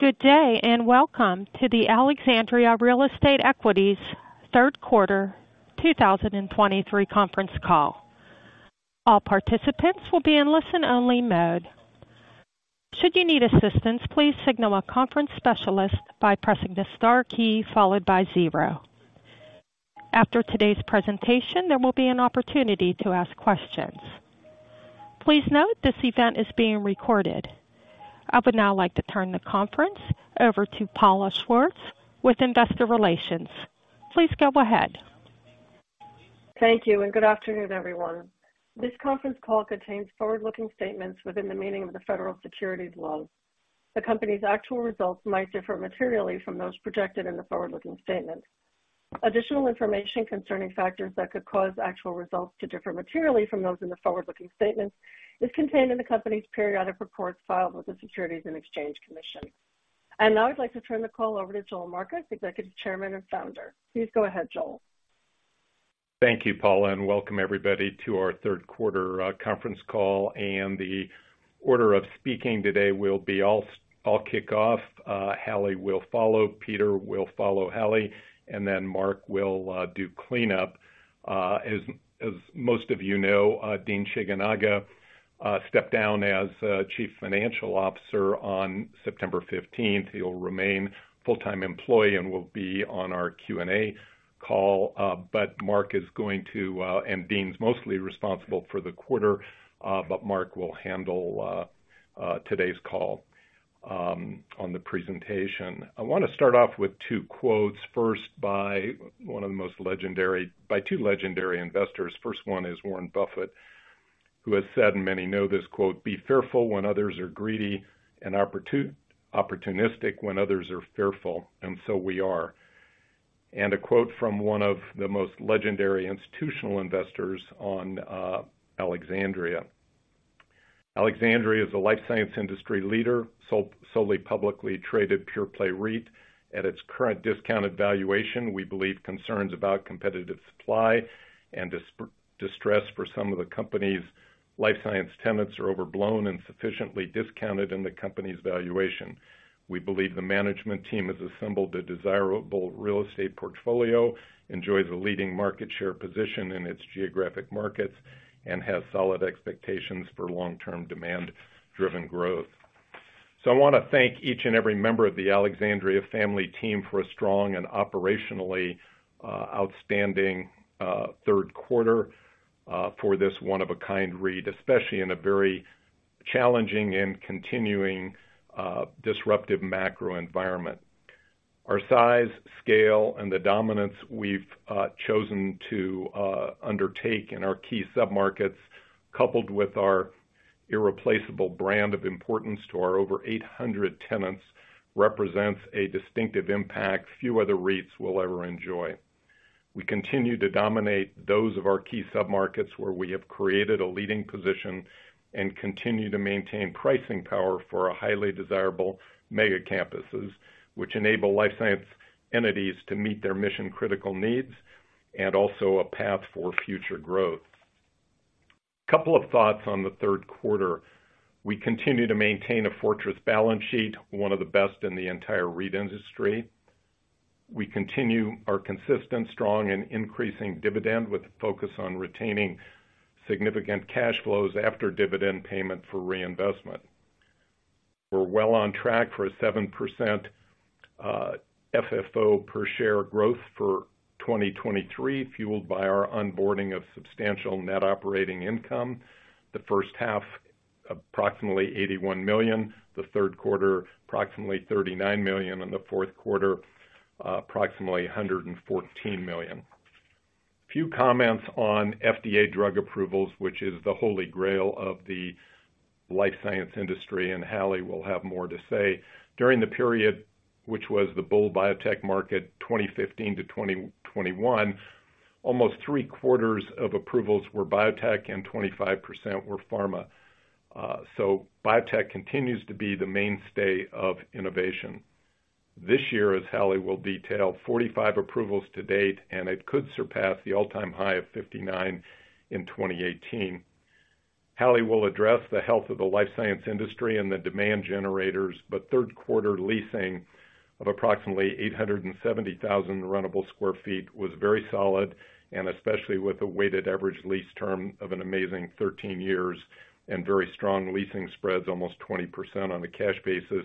Good day, and welcome to the Alexandria Real Estate Equities Third Quarter 2023 Conference Call. All participants will be in listen-only mode. Should you need assistance, please signal a conference specialist by pressing the star key followed by zero. After today's presentation, there will be an opportunity to ask questions. Please note, this event is being recorded. I would now like to turn the conference over to Paula Schwartz with Investor Relations. Please go ahead. Thank you, and good afternoon, everyone. This conference call contains forward-looking statements within the meaning of the Federal Securities laws. The company's actual results might differ materially from those projected in the forward-looking statements. Additional information concerning factors that could cause actual results to differ materially from those in the forward-looking statements is contained in the company's periodic reports filed with the Securities and Exchange Commission. And now I'd like to turn the call over to Joel Marcus, Executive Chairman and Founder. Please go ahead, Joel. Thank you, Paula, and welcome everybody to our third quarter conference call. The order of speaking today will be I'll kick off, Hallie will follow, Peter will follow Hallie, and then Marc will do cleanup. As most of you know, Dean Shigenaga stepped down as Chief Financial Officer on September fifteenth. He'll remain full-time employee and will be on our Q&A call. But Marc is going to. And Dean's mostly responsible for the quarter, but Marc will handle today's call on the presentation. I wanna start off with two quotes, first, by two legendary investors. First one is Warren Buffett, who has said, and many know this quote, "Be fearful when others are greedy and opportunistic when others are fearful," and so we are. A quote from one of the most legendary institutional investors on Alexandria: "Alexandria is a life science industry leader, solely publicly traded, pure-play REIT. At its current discounted valuation, we believe concerns about competitive supply and distress for some of the company's life science tenants are overblown and sufficiently discounted in the company's valuation. We believe the management team has assembled a desirable real estate portfolio, enjoys a leading market share position in its geographic markets, and has solid expectations for long-term, demand-driven growth." So I wanna thank each and every member of the Alexandria family team for a strong and operationally outstanding third quarter for this one of a kind REIT, especially in a very challenging and continuing disruptive macro environment. Our size, scale, and the dominance we've chosen to undertake in our key submarkets, coupled with our irreplaceable brand of importance to our over 800 tenants, represents a distinctive impact few other REITs will ever enjoy. We continue to dominate those of our key submarkets, where we have created a leading position and continue to maintain pricing power for our highly desirable mega campuses, which enable life science entities to meet their mission-critical needs and also a path for future growth. Couple of thoughts on the third quarter. We continue to maintain a fortress balance sheet, one of the best in the entire REIT industry. We continue our consistent, strong, and increasing dividend, with a focus on retaining significant cash flows after dividend payment for reinvestment. We're well on track for a 7% FFO per share growth for 2023, fueled by our onboarding of substantial net operating income. The first half, approximately $81 million, the third quarter, approximately $39 million, and the fourth quarter, approximately $114 million. A few comments on FDA drug approvals, which is the holy grail of the life science industry, and Hallie will have more to say. During the period, which was the bull biotech market, 2015 to 2021, almost three-quarters of approvals were biotech and 25% were pharma, so biotech continues to be the mainstay of innovation. This year, as Hallie will detail, 45 approvals to date, and it could surpass the all-time high of 59 in 2018. Hallie will address the health of the life science industry and the demand generators, but third quarter leasing of approximately 870,000 rentable sq ft was very solid, and especially with a weighted average lease term of an amazing 13 years and very strong leasing spreads, almost 20% on a cash basis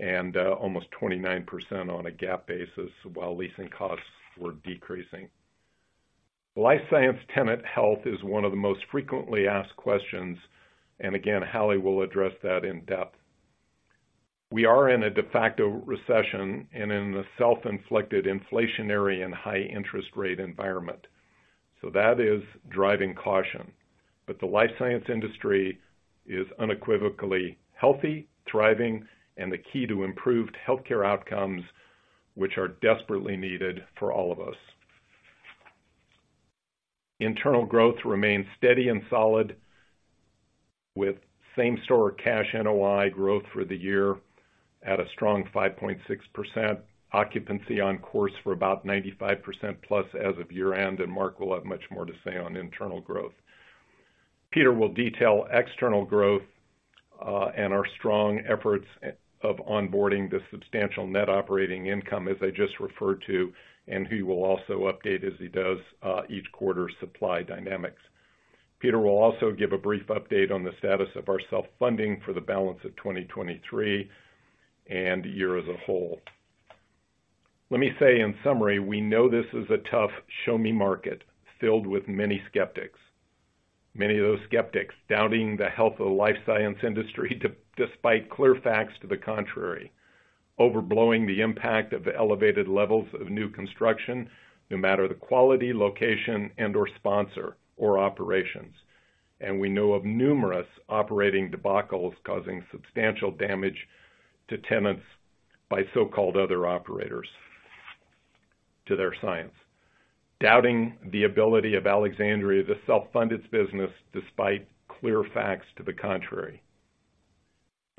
and almost 29% on a GAAP basis, while leasing costs were decreasing. Life science tenant health is one of the most frequently asked questions, and again, Hallie will address that in depth. We are in a de facto recession and in a self-inflicted inflationary and high interest rate environment, so that is driving caution. But the life science industry is unequivocally healthy, thriving, and the key to improved healthcare outcomes, which are desperately needed for all of us. Internal growth remains steady and solid, with same-store cash NOI growth for the year at a strong 5.6%. Occupancy on course for about 95%+ as of year-end, and Marc will have much more to say on internal growth. Peter will detail external growth and our strong efforts of onboarding the substantial net operating income, as I just referred to, and he will also update, as he does, each quarter supply dynamics. Peter will also give a brief update on the status of our self-funding for the balance of 2023 and the year as a whole. Let me say, in summary, we know this is a tough show-me market filled with many skeptics. Many of those skeptics doubting the health of the life science industry, despite clear facts to the contrary, overblowing the impact of the elevated levels of new construction, no matter the quality, location, and/or sponsor or operations. We know of numerous operating debacles causing substantial damage to tenants by so-called other operators to their science. Doubting the ability of Alexandria to self-fund its business, despite clear facts to the contrary.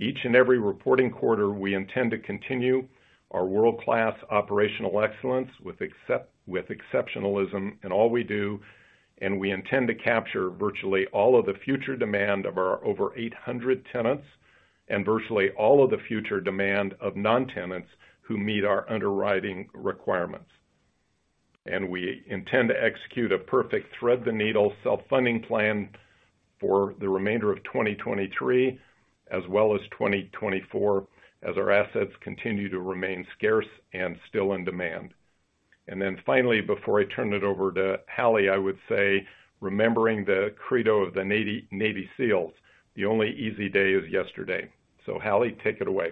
Each and every reporting quarter, we intend to continue our world-class operational excellence with exceptionalism in all we do, and we intend to capture virtually all of the future demand of our over 800 tenants, and virtually all of the future demand of non-tenants who meet our underwriting requirements. We intend to execute a perfect thread-the-needle self-funding plan for the remainder of 2023, as well as 2024, as our assets continue to remain scarce and still in demand. Then finally, before I turn it over to Hallie, I would say, remembering the credo of the Navy SEALs, "The only easy day is yesterday." So Hallie, take it away.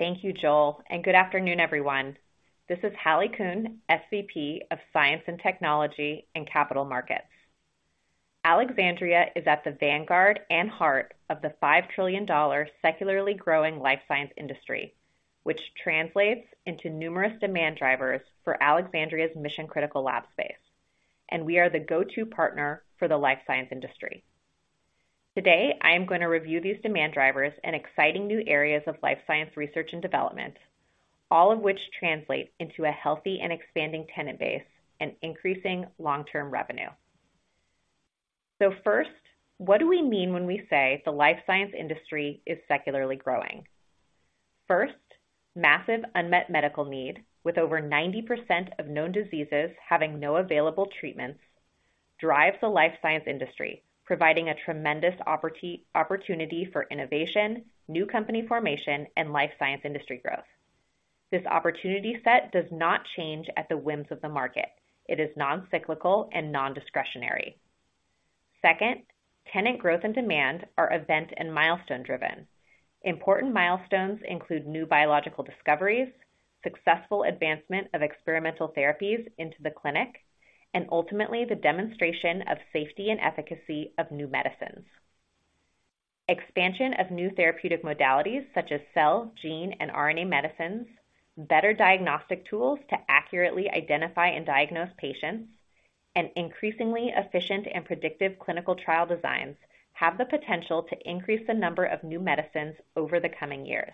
Thank you, Joel, and good afternoon, everyone. This is Hallie Kuhn, SVP of Science and Technology and Capital Markets. Alexandria is at the vanguard and heart of the $5 trillion secularly growing life science industry, which translates into numerous demand drivers for Alexandria's mission-critical lab space, and we are the go-to partner for the life science industry. Today, I am going to review these demand drivers and exciting new areas of life science research and development, all of which translate into a healthy and expanding tenant base and increasing long-term revenue. So first, what do we mean when we say the life science industry is secularly growing? First, massive unmet medical need, with over 90% of known diseases having no available treatments, drives the life science industry, providing a tremendous opportunity for innovation, new company formation, and life science industry growth. This opportunity set does not change at the whims of the market. It is non-cyclical and non-discretionary. Second, tenant growth and demand are event and milestone driven. Important milestones include new biological discoveries, successful advancement of experimental therapies into the clinic, and ultimately, the demonstration of safety and efficacy of new medicines. Expansion of new therapeutic modalities such as cell, gene, and RNA medicines, better diagnostic tools to accurately identify and diagnose patients, and increasingly efficient and predictive clinical trial designs have the potential to increase the number of new medicines over the coming years.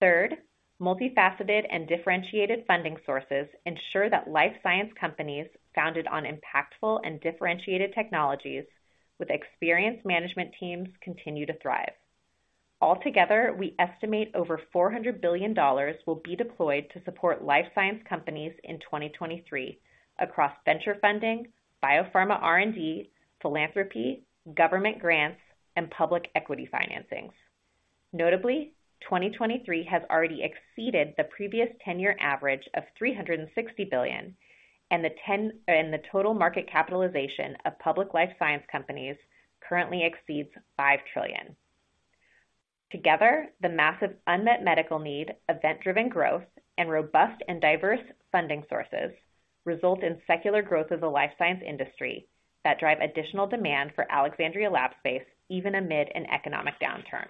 Third, multifaceted and differentiated funding sources ensure that life science companies, founded on impactful and differentiated technologies with experienced management teams, continue to thrive. Altogether, we estimate over $400 billion will be deployed to support life science companies in 2023 across venture funding, biopharma R&D, philanthropy, government grants, and public equity financings. Notably, 2023 has already exceeded the previous 10-year average of $360 billion, and the total market capitalization of public life science companies currently exceeds $5 trillion. Together, the massive unmet medical need, event-driven growth, and robust and diverse funding sources result in secular growth of the life science industry that drive additional demand for Alexandria lab space, even amid an economic downturn.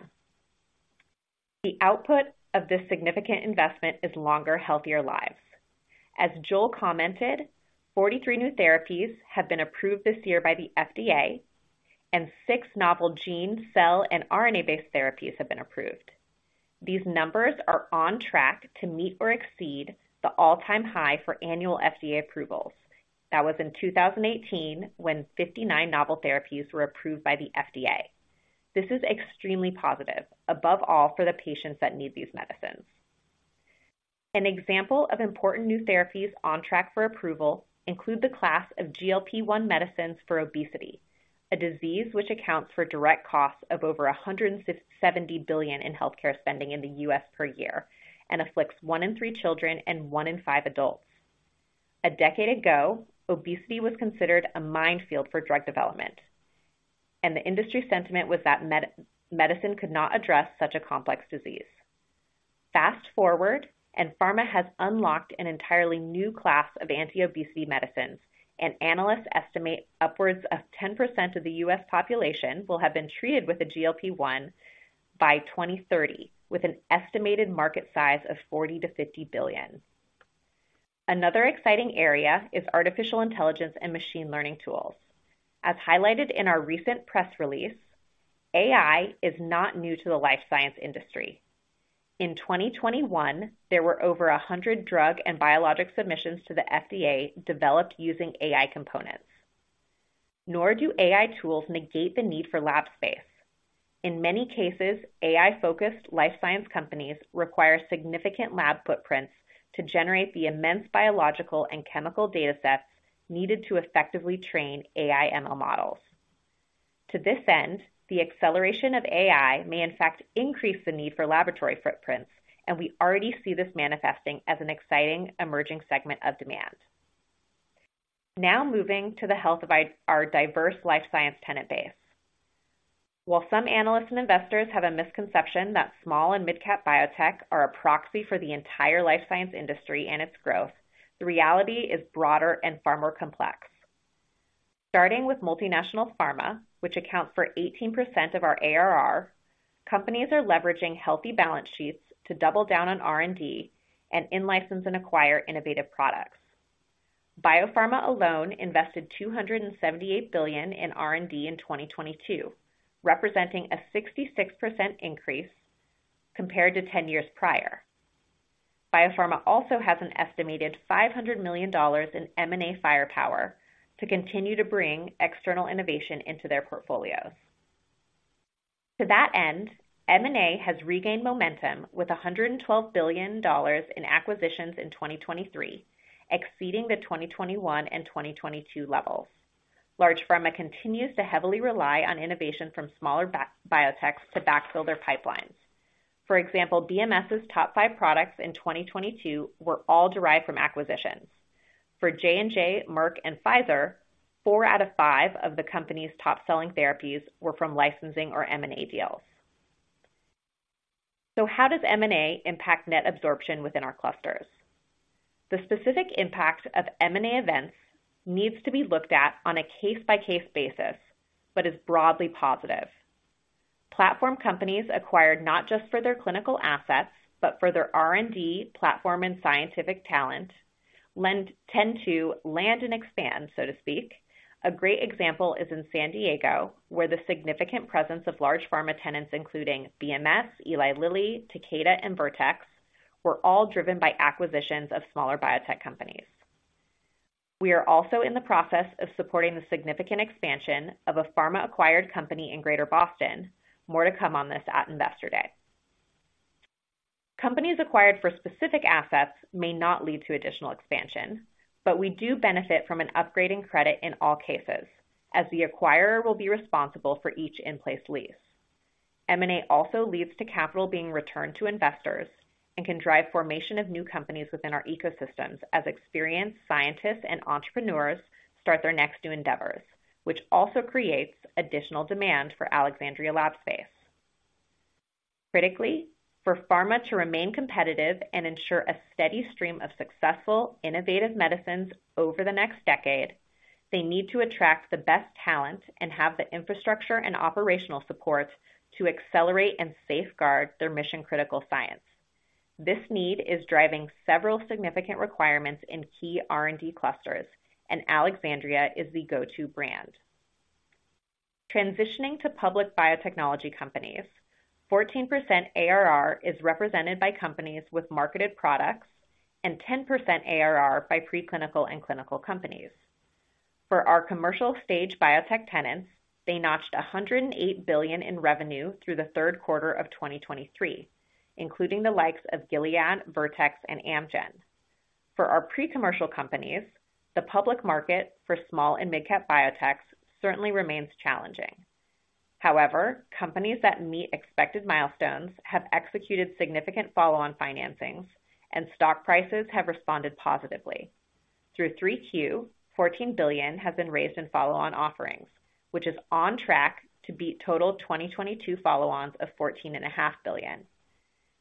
The output of this significant investment is longer, healthier lives. As Joel commented, 43 new therapies have been approved this year by the FDA, and six novel gene, cell, and RNA-based therapies have been approved. These numbers are on track to meet or exceed the all-time high for annual FDA approvals. That was in 2018, when 59 novel therapies were approved by the FDA. This is extremely positive, above all, for the patients that need these medicines. An example of important new therapies on track for approval include the class of GLP-1 medicines for obesity, a disease which accounts for direct costs of over $167 billion in healthcare spending in the U.S. per year, and afflicts one in three children and one in five adults. A decade ago, obesity was considered a minefield for drug development, and the industry sentiment was that medicine could not address such a complex disease. Fast forward, pharma has unlocked an entirely new class of anti-obesity medicines, and analysts estimate upwards of 10% of the U.S. population will have been treated with a GLP-1 by 2030, with an estimated market size of $40-$50 billion. Another exciting area is artificial intelligence and machine learning tools. As highlighted in our recent press release, AI is not new to the life science industry.... In 2021, there were over 100 drug and biologic submissions to the FDA developed using AI components. Nor do AI tools negate the need for lab space. In many cases, AI-focused life science companies require significant lab footprints to generate the immense biological and chemical data sets needed to effectively train AI ML models. To this end, the acceleration of AI may in fact increase the need for laboratory footprints, and we already see this manifesting as an exciting emerging segment of demand. Now moving to the health of our diverse life science tenant base. While some analysts and investors have a misconception that small and midcap biotech are a proxy for the entire life science industry and its growth, the reality is broader and far more complex. Starting with multinational pharma, which accounts for 18% of our ARR, companies are leveraging healthy balance sheets to double down on R&D and in-license and acquire innovative products. Biopharma alone invested $278 billion in R&D in 2022, representing a 66% increase compared to ten years prior. Biopharma also has an estimated $500 million in M&A firepower to continue to bring external innovation into their portfolios. To that end, M&A has regained momentum with $112 billion in acquisitions in 2023, exceeding the 2021 and 2022 levels. Large pharma continues to heavily rely on innovation from smaller biotechs to backfill their pipelines. For example, BMS's top five products in 2022 were all derived from acquisitions. For J&J, Merck, and Pfizer, four out of five of the company's top-selling therapies were from licensing or M&A deals. So how does M&A impact net absorption within our clusters? The specific impact of M&A events needs to be looked at on a case-by-case basis, but is broadly positive. Platform companies acquired not just for their clinical assets, but for their R&D platform and scientific talent, tend to land and expand, so to speak. A great example is in San Diego, where the significant presence of large pharma tenants, including BMS, Eli Lilly, Takeda, and Vertex, were all driven by acquisitions of smaller biotech companies. We are also in the process of supporting the significant expansion of a pharma-acquired company in Greater Boston. More to come on this at Investor Day. Companies acquired for specific assets may not lead to additional expansion, but we do benefit from an upgrading credit in all cases, as the acquirer will be responsible for each in-place lease. M&A also leads to capital being returned to investors and can drive formation of new companies within our ecosystems as experienced scientists and entrepreneurs start their next new endeavors, which also creates additional demand for Alexandria lab space. Critically, for pharma to remain competitive and ensure a steady stream of successful, innovative medicines over the next decade, they need to attract the best talent and have the infrastructure and operational support to accelerate and safeguard their mission-critical science. This need is driving several significant requirements in key R&D clusters, and Alexandria is the go-to brand. Transitioning to public biotechnology companies, 14% ARR is represented by companies with marketed products and 10% ARR by preclinical and clinical companies. For our commercial stage biotech tenants, they notched $108 billion in revenue through the third quarter of 2023, including the likes of Gilead, Vertex, and Amgen. For our pre-commercial companies, the public market for small and midcap biotechs certainly remains challenging. However, companies that meet expected milestones have executed significant follow-on financings, and stock prices have responded positively. Through 3Q, $14 billion has been raised in follow-on offerings, which is on track to beat total 2022 follow-ons of $14.5 billion.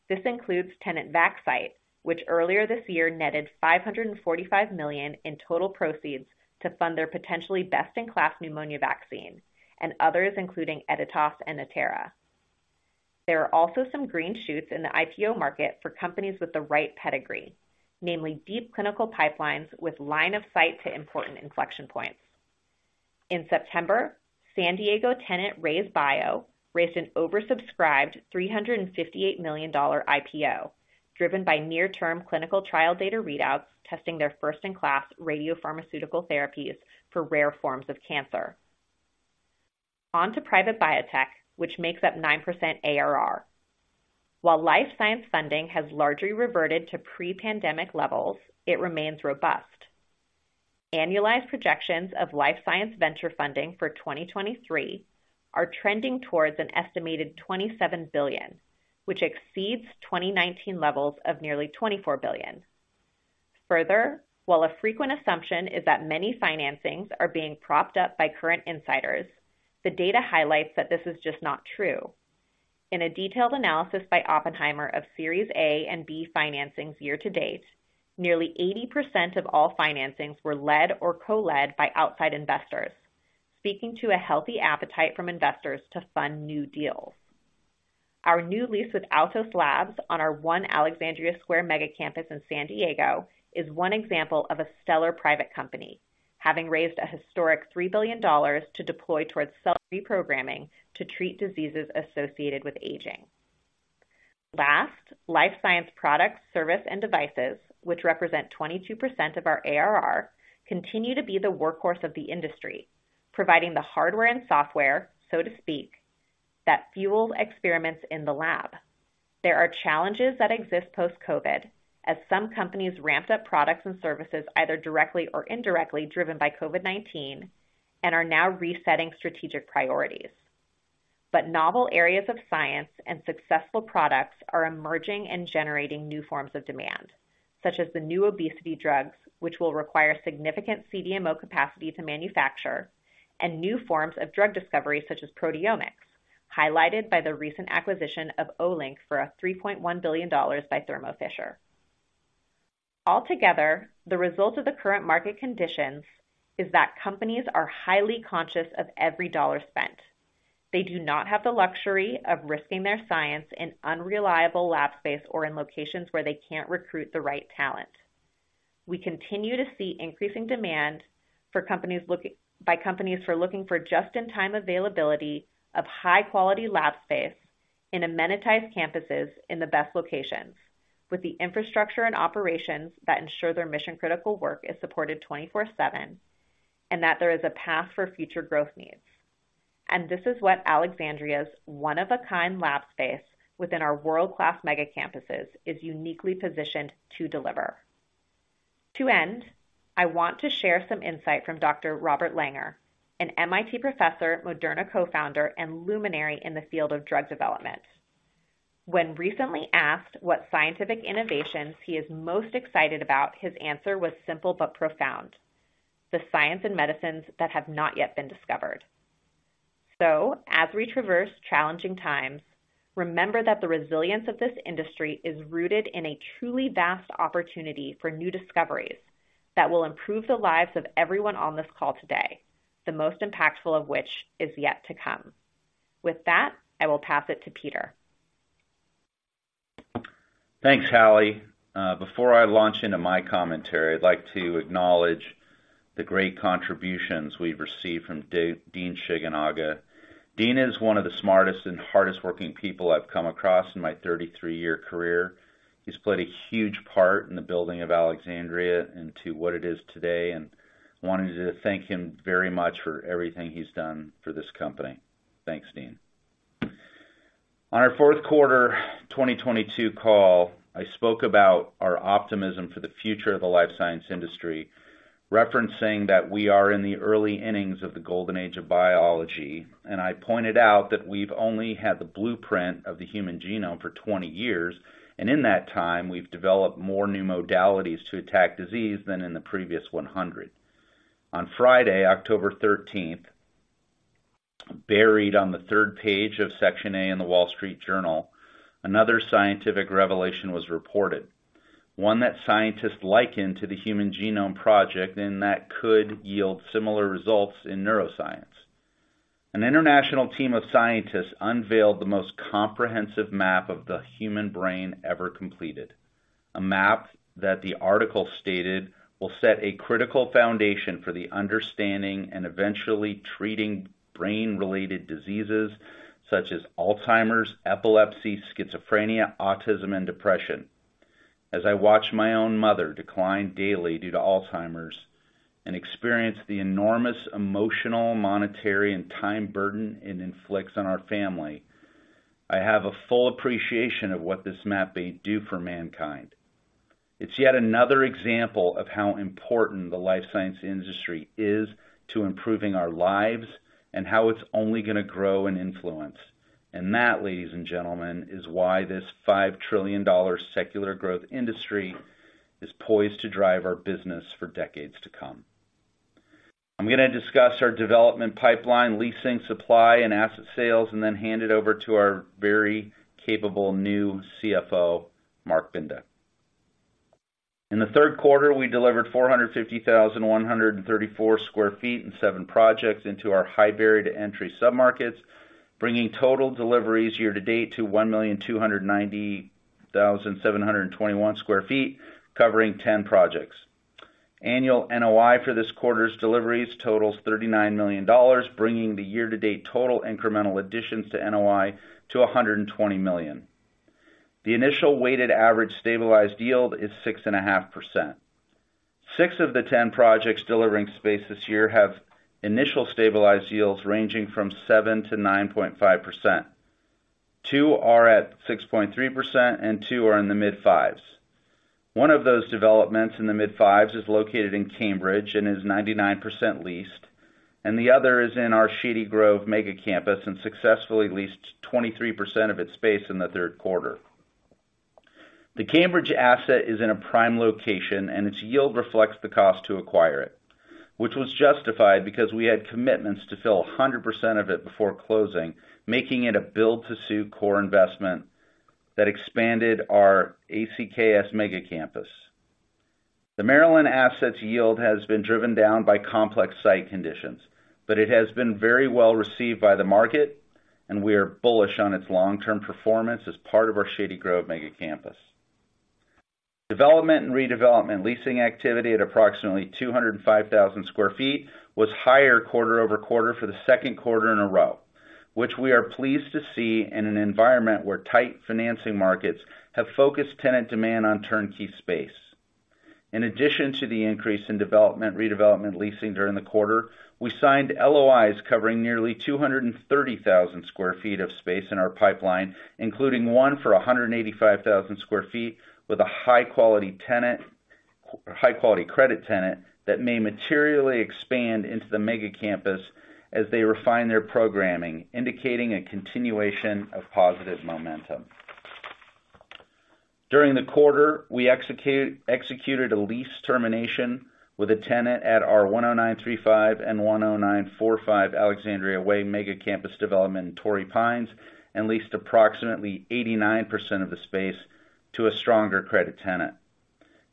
This includes tenant Vaxcyte, which earlier this year netted $545 million in total proceeds to fund their potentially best-in-class pneumonia vaccine and others, including Editas and Natera. There are also some green shoots in the IPO market for companies with the right pedigree, namely deep clinical pipelines with line of sight to important inflection points. In September, San Diego tenant RayzeBio raised an oversubscribed $358 million IPO, driven by near-term clinical trial data readouts, testing their first-in-class radiopharmaceutical therapies for rare forms of cancer. On to private biotech, which makes up 9% ARR. While life science funding has largely reverted to pre-pandemic levels, it remains robust. Annualized projections of life science venture funding for 2023 are trending towards an estimated $27 billion, which exceeds 2019 levels of nearly $24 billion. Further, while a frequent assumption is that many financings are being propped up by current insiders, the data highlights that this is just not true. In a detailed analysis by Oppenheimer of Series A and B financings year to date, nearly 80% of all financings were led or co-led by outside investors, speaking to a healthy appetite from investors to fund new deals. Our new lease with Altos Labs on our One Alexandria Square mega campus in San Diego is one example of a stellar private company having raised a historic $3 billion to deploy towards cell reprogramming to treat diseases associated with aging. Last, life science products, service, and devices, which represent 22% of our ARR, continue to be the workhorse of the industry, providing the hardware and software, so to speak, that fueled experiments in the lab. There are challenges that exist post-COVID, as some companies ramped up products and services either directly or indirectly, driven by COVID-19, and are now resetting strategic priorities. But novel areas of science and successful products are emerging and generating new forms of demand, such as the new obesity drugs, which will require significant CDMO capacity to manufacture, and new forms of drug discovery, such as proteomics, highlighted by the recent acquisition of Olink for $3.1 billion by Thermo Fisher. Altogether, the result of the current market conditions is that companies are highly conscious of every dollar spent. They do not have the luxury of risking their science in unreliable lab space or in locations where they can't recruit the right talent. We continue to see increasing demand by companies looking for just-in-time availability of high-quality lab space in amenitized campuses in the best locations, with the infrastructure and operations that ensure their mission-critical work is supported 24/7, and that there is a path for future growth needs. This is what Alexandria's one-of-a-kind lab space within our world-class mega campuses is uniquely positioned to deliver. To end, I want to share some insight from Dr. Robert Langer, an MIT professor, Moderna cofounder, and luminary in the field of drug development. When recently asked what scientific innovations he is most excited about, his answer was simple but profound: "The science and medicines that have not yet been discovered." As we traverse challenging times, remember that the resilience of this industry is rooted in a truly vast opportunity for new discoveries that will improve the lives of everyone on this call today, the most impactful of which is yet to come. With that, I will pass it to Peter. Thanks, Hallie. Before I launch into my commentary, I'd like to acknowledge the great contributions we've received from Dean Shigenaga. Dean is one of the smartest and hardest working people I've come across in my 33 year career. He's played a huge part in the building of Alexandria into what it is today, and I wanted to thank him very much for everything he's done for this company. Thanks, Dean. On our fourth quarter 2022 call, I spoke about our optimism for the future of the life science industry, referencing that we are in the early innings of the golden age of biology, and I pointed out that we've only had the blueprint of the human genome for 20 years, and in that time, we've developed more new modalities to attack disease than in the previous 100. On Friday, 13 October, buried on the third page of Section A in The Wall Street Journal, another scientific revelation was reported, one that scientists liken to the Human Genome Project, and that could yield similar results in neuroscience. An international team of scientists unveiled the most comprehensive map of the human brain ever completed. A map that the article stated, "Will set a critical foundation for the understanding and eventually treating brain-related diseases such as Alzheimer's, epilepsy, schizophrenia, autism, and depression." As I watch my own mother decline daily due to Alzheimer's and experience the enormous emotional, monetary, and time burden it inflicts on our family, I have a full appreciation of what this map may do for mankind. It's yet another example of how important the life science industry is to improving our lives and how it's only gonna grow and influence. That, ladies and gentlemen, is why this $5 trillion secular growth industry is poised to drive our business for decades to come. I'm gonna discuss our development pipeline, leasing, supply, and asset sales, and then hand it over to our very capable new CFO, Marc Binda. In the third quarter, we delivered 450,134 sq ft in seven projects into our high barrier to entry submarkets, bringing total deliveries year-to-date to 1,292,721 sq ft, covering ten projects. Annual NOI for this quarter's deliveries totals $39 million, bringing the year-to-date total incremental additions to NOI to $120 million. The initial weighted average stabilized yield is 6.5%. Six of the 10 projects delivering space this year have initial stabilized yields ranging from 7%-9.5%. Two are at 6.3%, and two are in the mid-fives. One of those developments in the mid-fives is located in Cambridge and is 99% leased, and the other is in our Shady Grove mega campus and successfully leased 23% of its space in the third quarter. The Cambridge asset is in a prime location, and its yield reflects the cost to acquire it, which was justified because we had commitments to fill 100% of it before closing, making it a build-to-suit core investment that expanded our ACKS mega campus. The Maryland asset's yield has been driven down by complex site conditions, but it has been very well received by the market, and we are bullish on its long-term performance as part of our Shady Grove mega campus. Development and redevelopment leasing activity at approximately 205,000 sq ft was higher quarter-over-quarter for the second quarter in a row, which we are pleased to see in an environment where tight financing markets have focused tenant demand on turnkey space. In addition to the increase in development, redevelopment leasing during the quarter, we signed LOIs covering nearly 230,000 sq ft of space in our pipeline, including one for 185,000 sq ft, with a high-quality tenant, high-quality credit tenant that may materially expand into the megacampus as they refine their programming, indicating a continuation of positive momentum. During the quarter, we executed a lease termination with a tenant at our 10935 and 10945 Alexandria Way megacampus development in Torrey Pines, and leased approximately 89% of the space to a stronger credit tenant.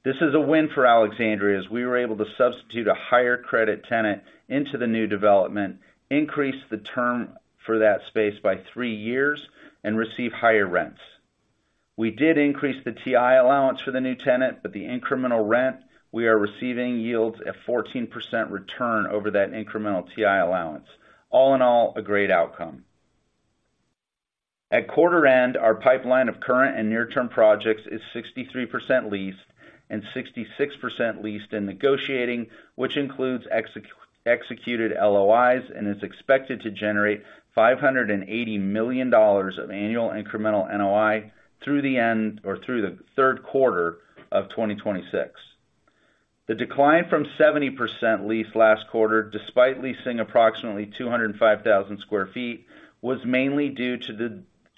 This is a win for Alexandria, as we were able to substitute a higher credit tenant into the new development, increase the term for that space by 3 years, and receive higher rents. We did increase the TI allowance for the new tenant, but the incremental rent we are receiving yields a 14% return over that incremental TI allowance. All in all, a great outcome. At quarter end, our pipeline of current and near-term projects is 63% leased and 66% leased and negotiating, which includes executed LOIs and is expected to generate $580 million of annual incremental NOI through the end or through the third quarter of 2026. The decline from 70% leased last quarter, despite leasing approximately 205,000 sq ft, was mainly due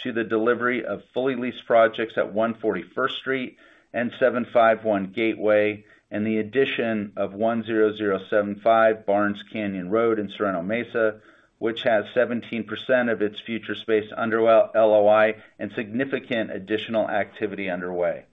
to the delivery of fully leased projects at 141st Street and 751 Gateway, and the addition of 10075 Barnes Canyon Road in Sorrento Mesa, which has 17% of its future space under LOI and significant additional activity underway.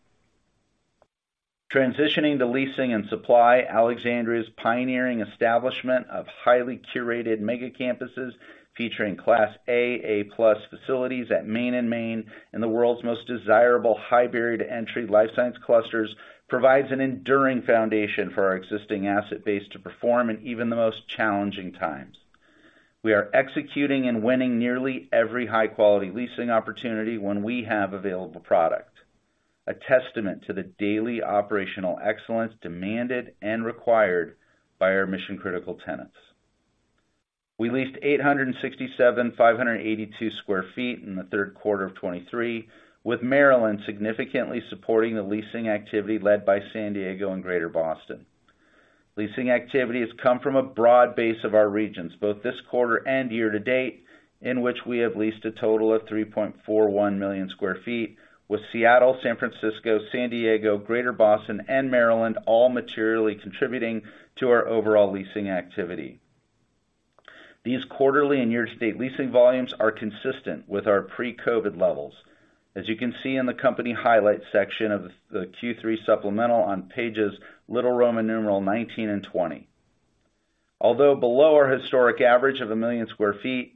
Transitioning to leasing and supply, Alexandria's pioneering establishment of highly curated mega campuses featuring Class A, A plus facilities at Main and Main, and the world's most desirable high barrier to entry life science clusters, provides an enduring foundation for our existing asset base to perform in even the most challenging times. We are executing and winning nearly every high quality leasing opportunity when we have available product, a testament to the daily operational excellence demanded and required by our mission-critical tenants. We leased 867,582 sq ft in the third quarter of 2023, with Maryland significantly supporting the leasing activity led by San Diego and Greater Boston. Leasing activity has come from a broad base of our regions, both this quarter and year to date, in which we have leased a total of 3.41 million sq ft, with Seattle, San Francisco, San Diego, Greater Boston, and Maryland all materially contributing to our overall leasing activity. These quarterly and year-to-date leasing volumes are consistent with our pre-COVID levels. As you can see in the Company Highlights section of the Q3 supplemental on pages xix and xx. Although below our historic average of one million sq ft,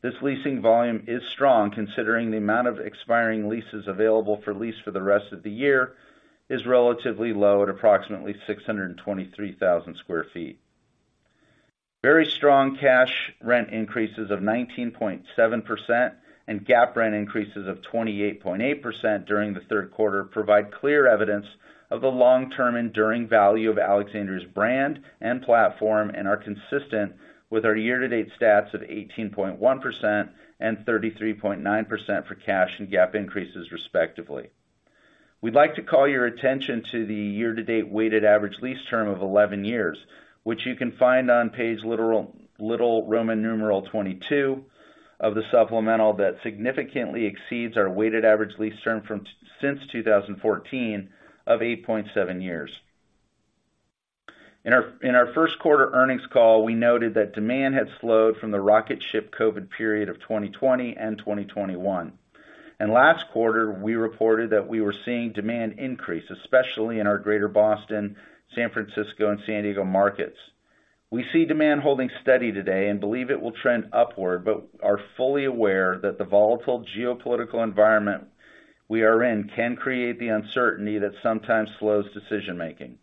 this leasing volume is strong, considering the amount of expiring leases available for lease for the rest of the year is relatively low at approximately 623,000 sq ft. Very strong cash rent increases of 19.7% and GAAP rent increases of 28.8% during the third quarter provide clear evidence of the long-term enduring value of Alexandria's brand and platform, and are consistent with our year-to-date stats of 18.1% and 33.9% for cash and GAAP increases, respectively. We'd like to call your attention to the year-to-date weighted average lease term of 11 years, which you can find on page little roman numeral XXII of the supplemental, that significantly exceeds our weighted average lease term since 2014 of 8.7 years. In our first quarter earnings call, we noted that demand had slowed from the rocket ship COVID period of 2020 and 2021. Last quarter, we reported that we were seeing demand increase, especially in our Greater Boston, San Francisco, and San Diego markets. We see demand holding steady today and believe it will trend upward, but are fully aware that the volatile geopolitical environment we are in can create the uncertainty that sometimes slows decision making.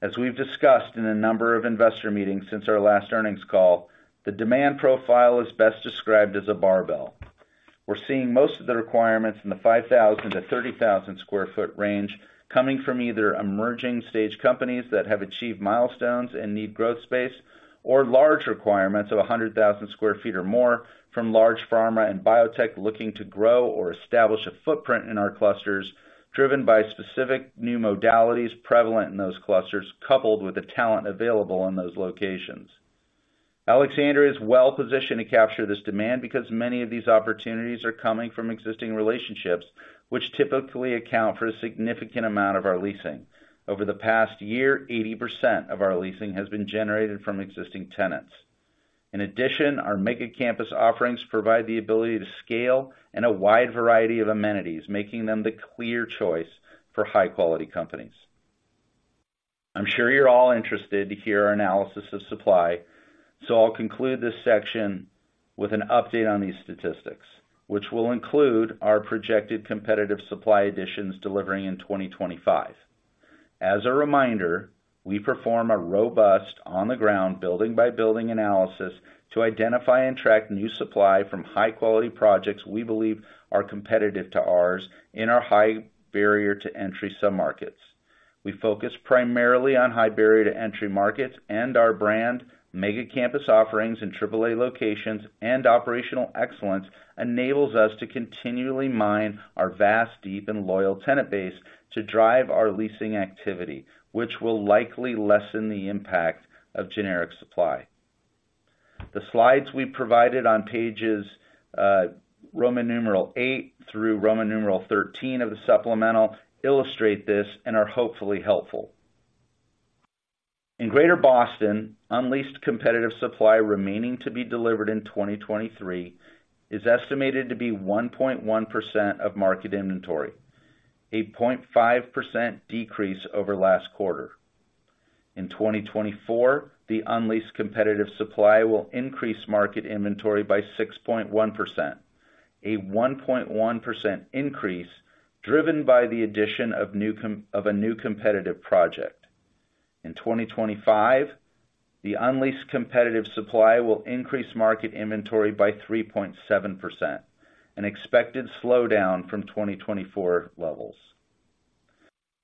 As we've discussed in a number of investor meetings since our last earnings call, the demand profile is best described as a barbell. We're seeing most of the requirements in the 5,000-30,000 sq ft range, coming from either emerging stage companies that have achieved milestones and need growth space, or large requirements of 100,000 sq ft or more from large pharma and biotech looking to grow or establish a footprint in our clusters, driven by specific new modalities prevalent in those clusters, coupled with the talent available in those locations. Alexandria is well positioned to capture this demand because many of these opportunities are coming from existing relationships, which typically account for a significant amount of our leasing. Over the past year, 80% of our leasing has been generated from existing tenants. In addition, our mega campus offerings provide the ability to scale and a wide variety of amenities, making them the clear choice for high quality companies. I'm sure you're all interested to hear our analysis of supply, so I'll conclude this section with an update on these statistics, which will include our projected competitive supply additions delivering in 2025. As a reminder, we perform a robust, on-the-ground, building-by-building analysis to identify and track new supply from high-quality projects we believe are competitive to ours in our high barrier to entry submarkets. We focus primarily on high barrier to entry markets, and our brand, mega-campus offerings in AAA locations, and operational excellence enables us to continually mine our vast, deep, and loyal tenant base to drive our leasing activity, which will likely lessen the impact of generic supply. The slides we provided on pages VIII through XIII of the supplemental illustrate this and are hopefully helpful. In Greater Boston, unleased competitive supply remaining to be delivered in 2023 is estimated to be 1.1% of market inventory, a 0.5% decrease over last quarter. In 2024, the unleased competitive supply will increase market inventory by 6.1%, a 1.1% increase, driven by the addition of a new competitive project. In 2025, the unleased competitive supply will increase market inventory by 3.7%, an expected slowdown from 2024 levels.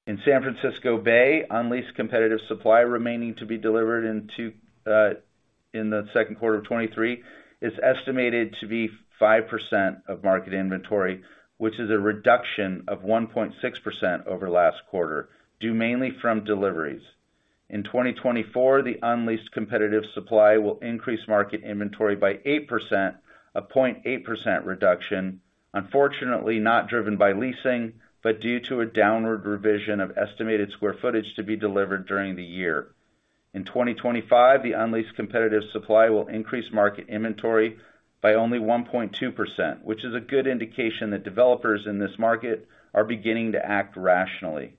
In San Francisco Bay, unleased competitive supply remaining to be delivered in the second quarter of 2023 is estimated to be 5% of market inventory, which is a reduction of 1.6% over last quarter, due mainly from deliveries. In 2024, the unleased competitive supply will increase market inventory by 8%, a 0.8% reduction, unfortunately, not driven by leasing, but due to a downward revision of estimated square footage to be delivered during the year. In 2025, the unleased competitive supply will increase market inventory by only 1.2%, which is a good indication that developers in this market are beginning to act rationally.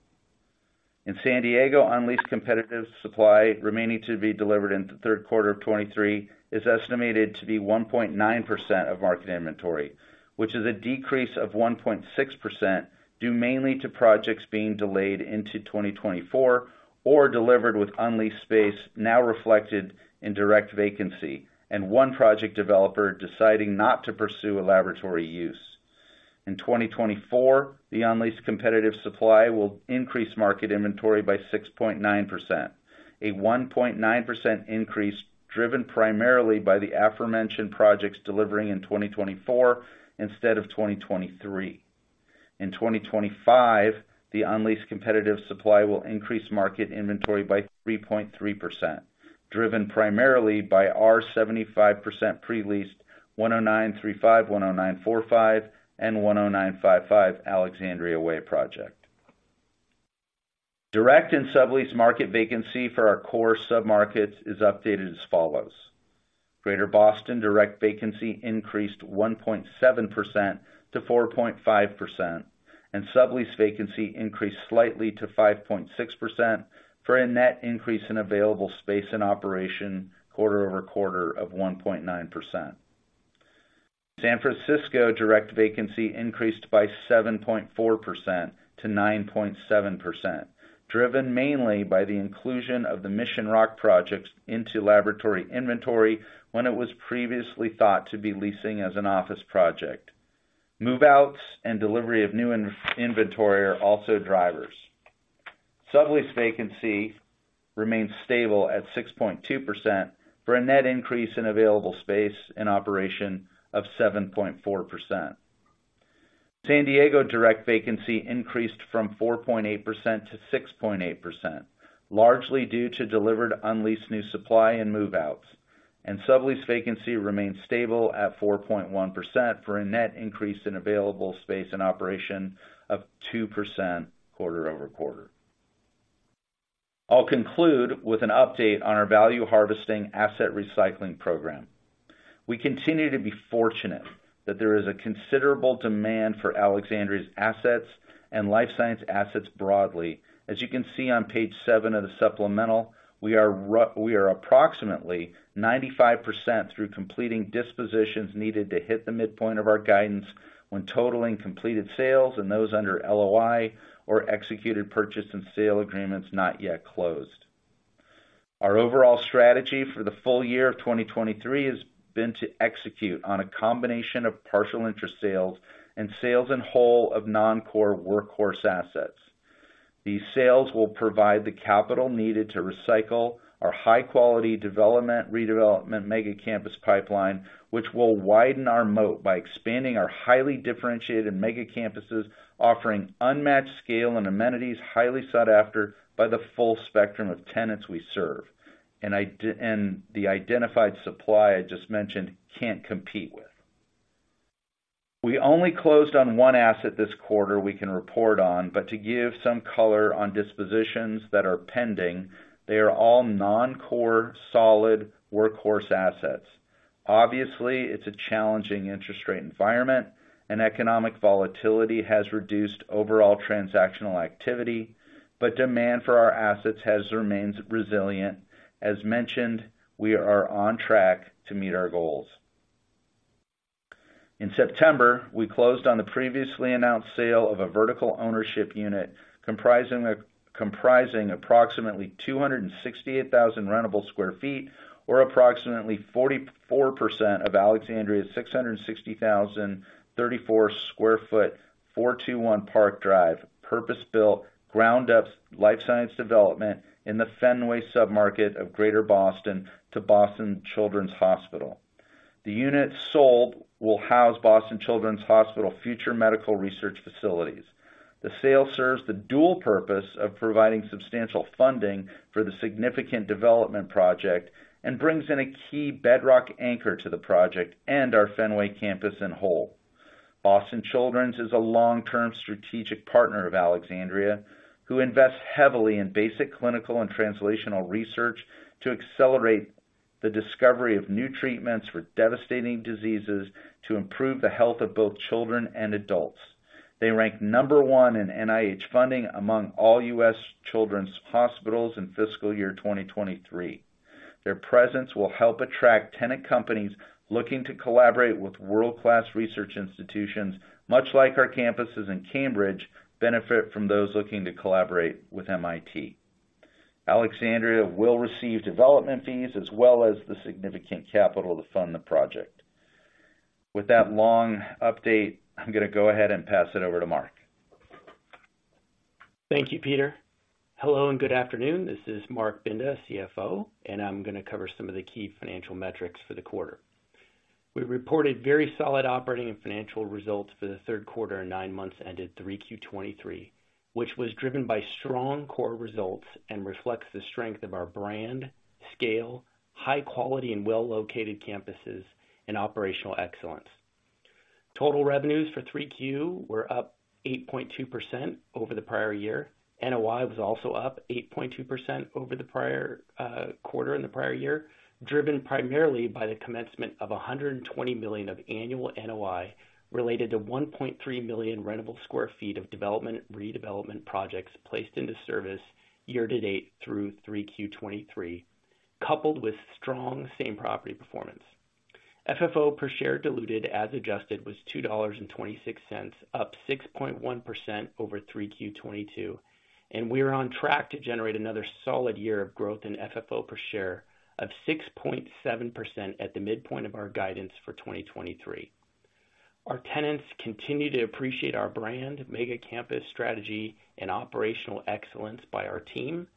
In San Diego, unleased competitive supply remaining to be delivered in the third quarter of 2023 is estimated to be 1.9% of market inventory, which is a decrease of 1.6%, due mainly to projects being delayed into 2024 or delivered with unleased space now reflected in direct vacancy, and one project developer deciding not to pursue a laboratory use. In 2024, the unleased competitive supply will increase market inventory by 6.9%, a 1.9% increase, driven primarily by the aforementioned projects delivering in 2024 instead of 2023. In 2025, the unleased competitive supply will increase market inventory by 3.3%, driven primarily by our 75% pre-leased 10935, 10945, and 10955 Alexandria Way project. Direct and sublease market vacancy for our core submarkets is updated as follows: Greater Boston, direct vacancy increased 1.7% to 4.5%, and sublease vacancy increased slightly to 5.6%, for a net increase in available space and operation quarter-over-quarter of 1.9%. San Francisco direct vacancy increased by 7.4% to 9.7%, driven mainly by the inclusion of the Mission Rock projects into laboratory inventory when it was previously thought to be leasing as an office project. Move-outs and delivery of new in-inventory are also drivers. Sublease vacancy remains stable at 6.2%, for a net increase in available space and operation of 7.4%. San Diego direct vacancy increased from 4.8% to 6.8%, largely due to delivered unleased new supply and move-outs, and sublease vacancy remains stable at 4.1%, for a net increase in available space and operation of 2% quarter-over-quarter. I'll conclude with an update on our value harvesting asset recycling program. We continue to be fortunate that there is a considerable demand for Alexandria's assets and life science assets broadly. As you can see on page seven of the supplemental, we are we are approximately 95% through completing dispositions needed to hit the midpoint of our guidance when totaling completed sales and those under LOI or executed purchase and sale agreements not yet closed. Our overall strategy for the full year of 2023 has been to execute on a combination of partial interest sales and sales in whole of non-core workhorse assets. These sales will provide the capital needed to recycle our high-quality development, redevelopment mega-campus pipeline, which will widen our moat by expanding our highly differentiated mega campuses, offering unmatched scale and amenities, highly sought after by the full spectrum of tenants we serve, and and the identified supply I just mentioned, can't compete with. We only closed on one asset this quarter we can report on, but to give some color on dispositions that are pending, they are all non-core, solid workhorse assets. Obviously, it's a challenging interest rate environment, and economic volatility has reduced overall transactional activity, but demand for our assets has remained resilient. As mentioned, we are on track to meet our goals. In September, we closed on the previously announced sale of a vertical ownership unit, comprising approximately 268,000 rentable sq ft, or approximately 44% of Alexandria's 660,034 sq ft, 421 Park Drive, purpose-built, ground-up life science development in the Fenway submarket of Greater Boston to Boston Children's Hospital. The unit sold will house Boston Children's Hospital future medical research facilities. The sale serves the dual purpose of providing substantial funding for the significant development project and brings in a key bedrock anchor to the project and our Fenway campus in whole. Boston Children's is a long-term strategic partner of Alexandria, who invests heavily in basic clinical and translational research to accelerate the discovery of new treatments for devastating diseases to improve the health of both children and adults. They rank number one in NIH funding among all U.S. children's hospitals in fiscal year 2023. Their presence will help attract tenant companies looking to collaborate with world-class research institutions, much like our campuses in Cambridge benefit from those looking to collaborate with MIT. Alexandria will receive development fees as well as the significant capital to fund the project. With that long update, I'm going to go ahead and pass it over to Marc. Thank you, Peter. Hello, and good afternoon. This is Marc Binda, CFO, and I'm going to cover some of the key financial metrics for the quarter. We reported very solid operating and financial results for the third quarter and nine months ended 3Q 2023, which was driven by strong core results and reflects the strength of our brand, scale, high quality, and well-located campuses and operational excellence. Total revenues for 3Q were up 8.2% over the prior year. NOI was also up 8.2% over the prior, quarter in the prior year, driven primarily by the commencement of $120 million of annual NOI, related to 1.3 million rentable square feet of development, redevelopment projects placed into service year to date through 3Q 2023, coupled with strong same-property performance. FFO per share diluted as adjusted was $2.26, up 6.1% over 3Q 2022, and we are on track to generate another solid year of growth in FFO per share of 6.7% at the midpoint of our guidance for 2023. Our tenants continue to appreciate our brand, mega campus strategy, and operational excellence by our team.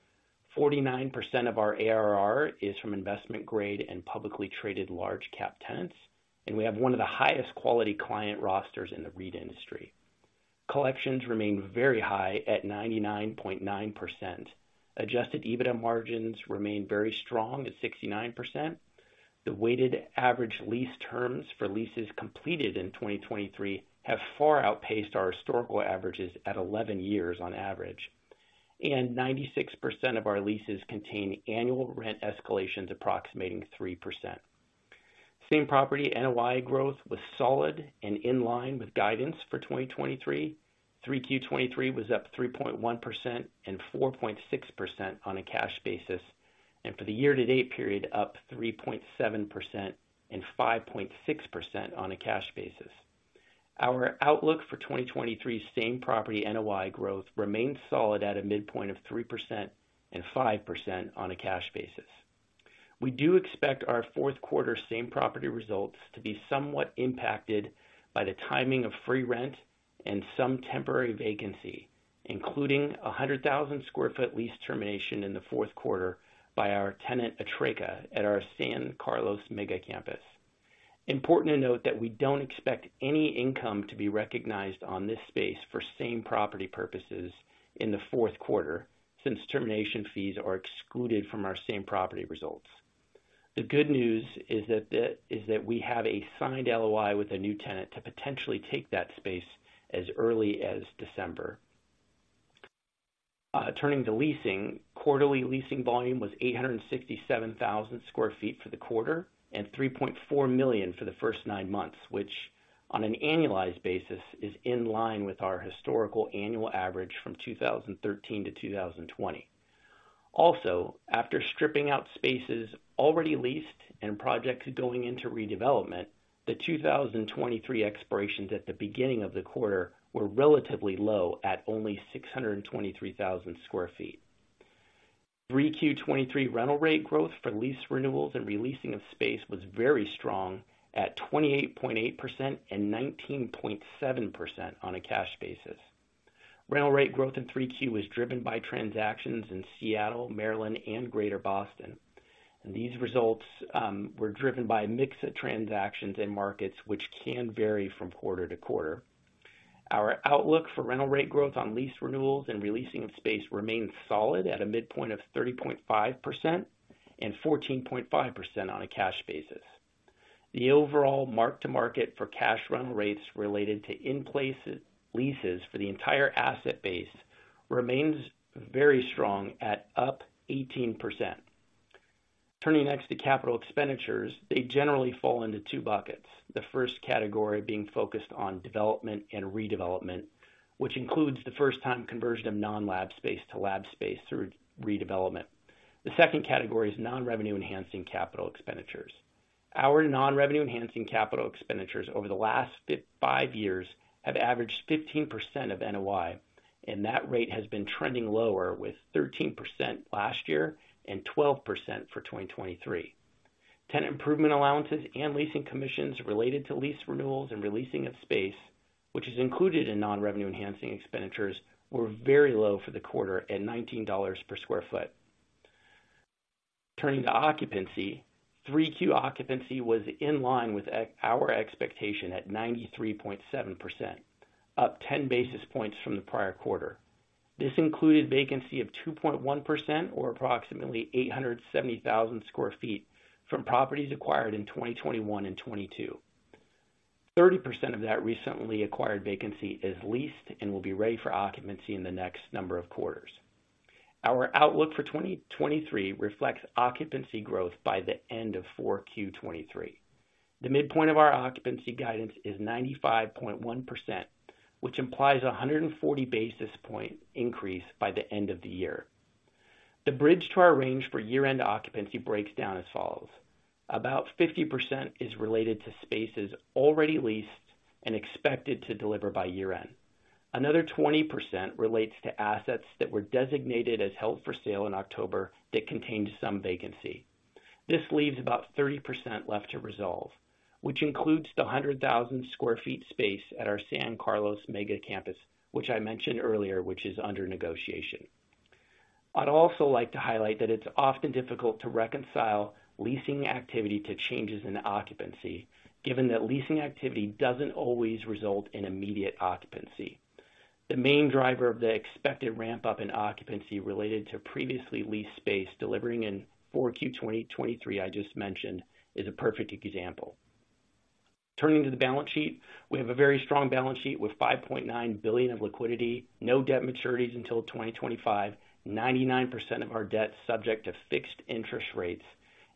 49% of our ARR is from investment grade and publicly traded large cap tenants, and we have one of the highest quality client rosters in the REIT industry. Collections remain very high at 99.9%. Adjusted EBITDA margins remain very strong at 69%. The weighted average lease terms for leases completed in 2023 have far outpaced our historical averages at 11 years on average, and 96% of our leases contain annual rent escalations approximating 3%. Same property NOI growth was solid and in line with guidance for 2023. 3Q 2023 was up 3.1% and 4.6% on a cash basis, and for the year-to-date period, up 3.7% and 5.6% on a cash basis. Our outlook for 2023 same property NOI growth remains solid at a midpoint of 3% and 5% on a cash basis. We do expect our fourth quarter same property results to be somewhat impacted by the timing of free rent and some temporary vacancy, including a 100,000 sq ft lease termination in the fourth quarter by our tenant, Atreca, at our San Carlos mega campus. Important to note that we don't expect any income to be recognized on this space for same property purposes in the fourth quarter, since termination fees are excluded from our same property results. The good news is that we have a signed LOI with a new tenant to potentially take that space as early as December. Turning to leasing. Quarterly leasing volume was 867,000 sq ft for the quarter, and 3.4 million for the first nine months, which, on an annualized basis, is in line with our historical annual average from 2013 to 2020. Also, after stripping out spaces already leased and projects going into redevelopment, the 2023 expirations at the beginning of the quarter were relatively low at only 623,000 sq ft. 3Q 2023 rental rate growth for lease renewals and re-leasing of space was very strong at 28.8% and 19.7% on a cash basis. Rental rate growth in 3Q was driven by transactions in Seattle, Maryland, and Greater Boston. These results were driven by a mix of transactions in markets which can vary from quarter to quarter. Our outlook for rental rate growth on lease renewals and re-leasing of space remains solid at a midpoint of 30.5% and 14.5% on a cash basis. The overall mark to market for cash run rates related to in-place leases for the entire asset base remains very strong at up 18%. Turning next to capital expenditures, they generally fall into two buckets. The first category being focused on development and redevelopment, which includes the first time conversion of non-lab space to lab space through redevelopment. The second category is non-revenue enhancing capital expenditures. Our non-revenue enhancing capital expenditures over the last five years have averaged 15% of NOI, and that rate has been trending lower, with 13% last year and 12% for 2023. Tenant improvement allowances and leasing commissions related to lease renewals and releasing of space, which is included in non-revenue enhancing expenditures, were very low for the quarter at $19 per sq ft. Turning to occupancy. Q3 occupancy was in line with our expectation at 93.7%, up 10 basis points from the prior quarter. This included vacancy of 2.1% or approximately 870,000 sq ft from properties acquired in 2021 and 2022. 30% of that recently acquired vacancy is leased and will be ready for occupancy in the next number of quarters. Our outlook for 2023 reflects occupancy growth by the end of 4Q 2023. The midpoint of our occupancy guidance is 95.1%, which implies 140 basis point increase by the end of the year. The bridge to our range for year-end occupancy breaks down as follows: About 50% is related to spaces already leased and expected to deliver by year-end. Another 20% relates to assets that were designated as held for sale in October that contained some vacancy. This leaves about 30% left to resolve, which includes the 100,000 sq ft space at our San Carlos mega campus, which I mentioned earlier, which is under negotiation. I'd also like to highlight that it's often difficult to reconcile leasing activity to changes in occupancy, given that leasing activity doesn't always result in immediate occupancy. The main driver of the expected ramp-up in occupancy related to previously leased space, delivering in 4Q 2023, I just mentioned, is a perfect example. Turning to the balance sheet. We have a very strong balance sheet with $5.9 billion of liquidity, no debt maturities until 2025, 99% of our debt subject to fixed interest rates,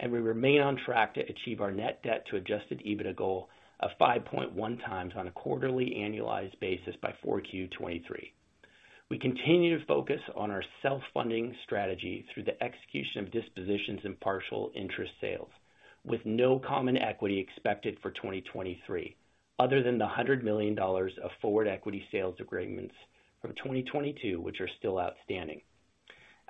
and we remain on track to achieve our net debt to adjusted EBITDA goal of 5.1x on a quarterly annualized basis by 4Q 2023. We continue to focus on our self-funding strategy through the execution of dispositions and partial interest sales, with no common equity expected for 2023, other than the $100 million of forward equity sales agreements from 2022, which are still outstanding.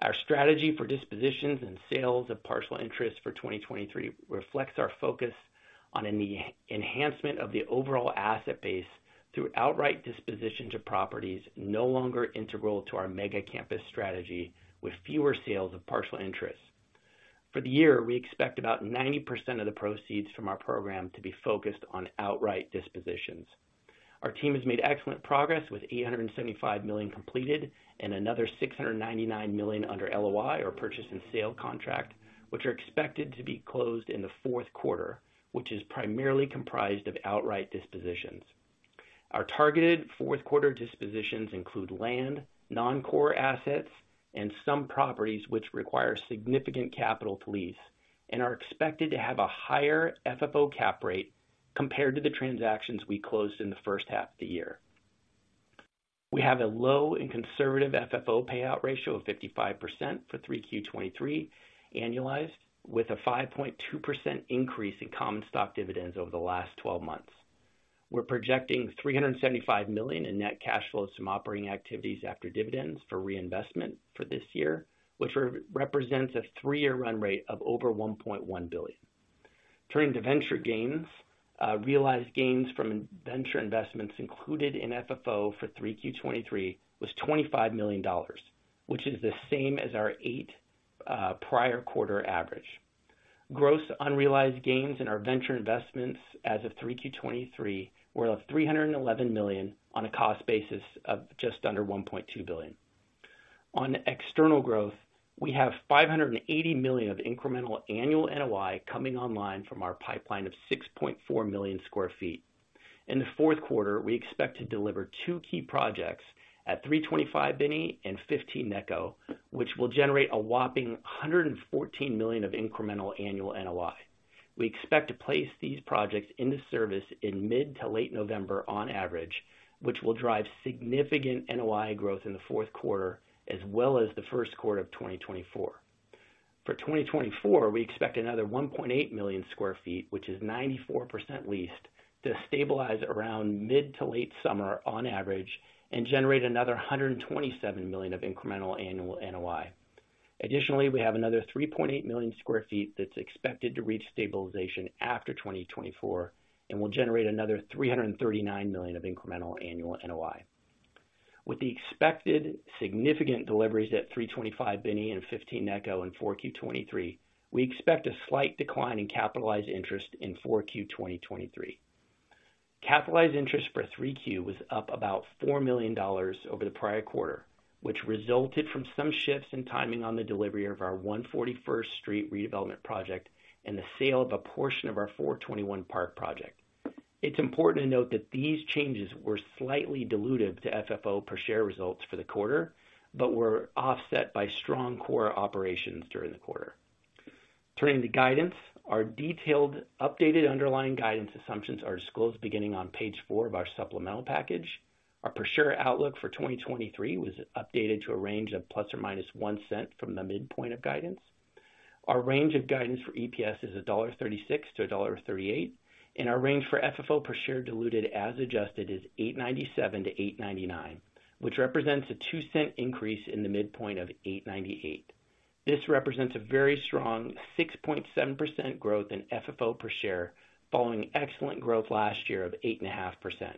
Our strategy for dispositions and sales of partial interest for 2023 reflects our focus on an enhancement of the overall asset base through outright disposition to properties no longer integral to our mega campus strategy, with fewer sales of partial interest. For the year, we expect about 90% of the proceeds from our program to be focused on outright dispositions. Our team has made excellent progress, with $875 million completed and another $699 million under LOI or purchase and sale contract, which are expected to be closed in the fourth quarter, which is primarily comprised of outright dispositions. Our targeted fourth quarter dispositions include land, non-core assets, and some properties which require significant capital to lease and are expected to have a higher FFO cap rate compared to the transactions we closed in the first half of the year. We have a low and conservative FFO payout ratio of 55% for 3Q 2023, annualized, with a 5.2% increase in common stock dividends over the last twelve months. We're projecting $375 million in net cash flows from operating activities after dividends for reinvestment for this year, which represents a three-year run rate of over $1.1 billion. Turning to venture gains. Realized gains from venture investments included in FFO for 3Q 2023 was $25 million, which is the same as our 8 prior quarter average. Gross unrealized gains in our venture investments as of 3Q 2023 were of $311 million on a cost basis of just under $1.2 billion. On external growth, we have $580 million of incremental annual NOI coming online from our pipeline of 6.4 million sq ft. In the fourth quarter, we expect to deliver two key projects at 325 Binney and 15 Necco, which will generate a whopping $114 million of incremental annual NOI. We expect to place these projects into service in mid to late November on average, which will drive significant NOI growth in the fourth quarter, as well as the first quarter of 2024. For 2024, we expect another 1.8 million sq ft, which is 94% leased, to stabilize around mid- to late summer on average and generate another $127 million of incremental annual NOI. Additionally, we have another 3.8 million sq ft that's expected to reach stabilization after 2024, and will generate another $339 million of incremental annual NOI. With the expected significant deliveries at 325 Binney and 15 Necco in 4Q 2023, we expect a slight decline in capitalized interest in 4Q 2023. Capitalized interest for 3Q was up about $4 million over the prior quarter, which resulted from some shifts in timing on the delivery of our 141 First Street redevelopment project and the sale of a portion of our 421 Park project. It's important to note that these changes were slightly dilutive to FFO per share results for the quarter, but were offset by strong core operations during the quarter. Turning to guidance. Our detailed updated underlying guidance assumptions are disclosed beginning on page four of our supplemental package. Our per share outlook for 2023 was updated to a range of ±1 cent from the midpoint of guidance. Our range of guidance for EPS is $1.36-$1.38, and our range for FFO per share diluted as adjusted, is $8.97-$8.99, which represents a $2 increase in the midpoint of $8.98. This represents a very strong 6.7% growth in FFO per share, following excellent growth last year of 8.5%.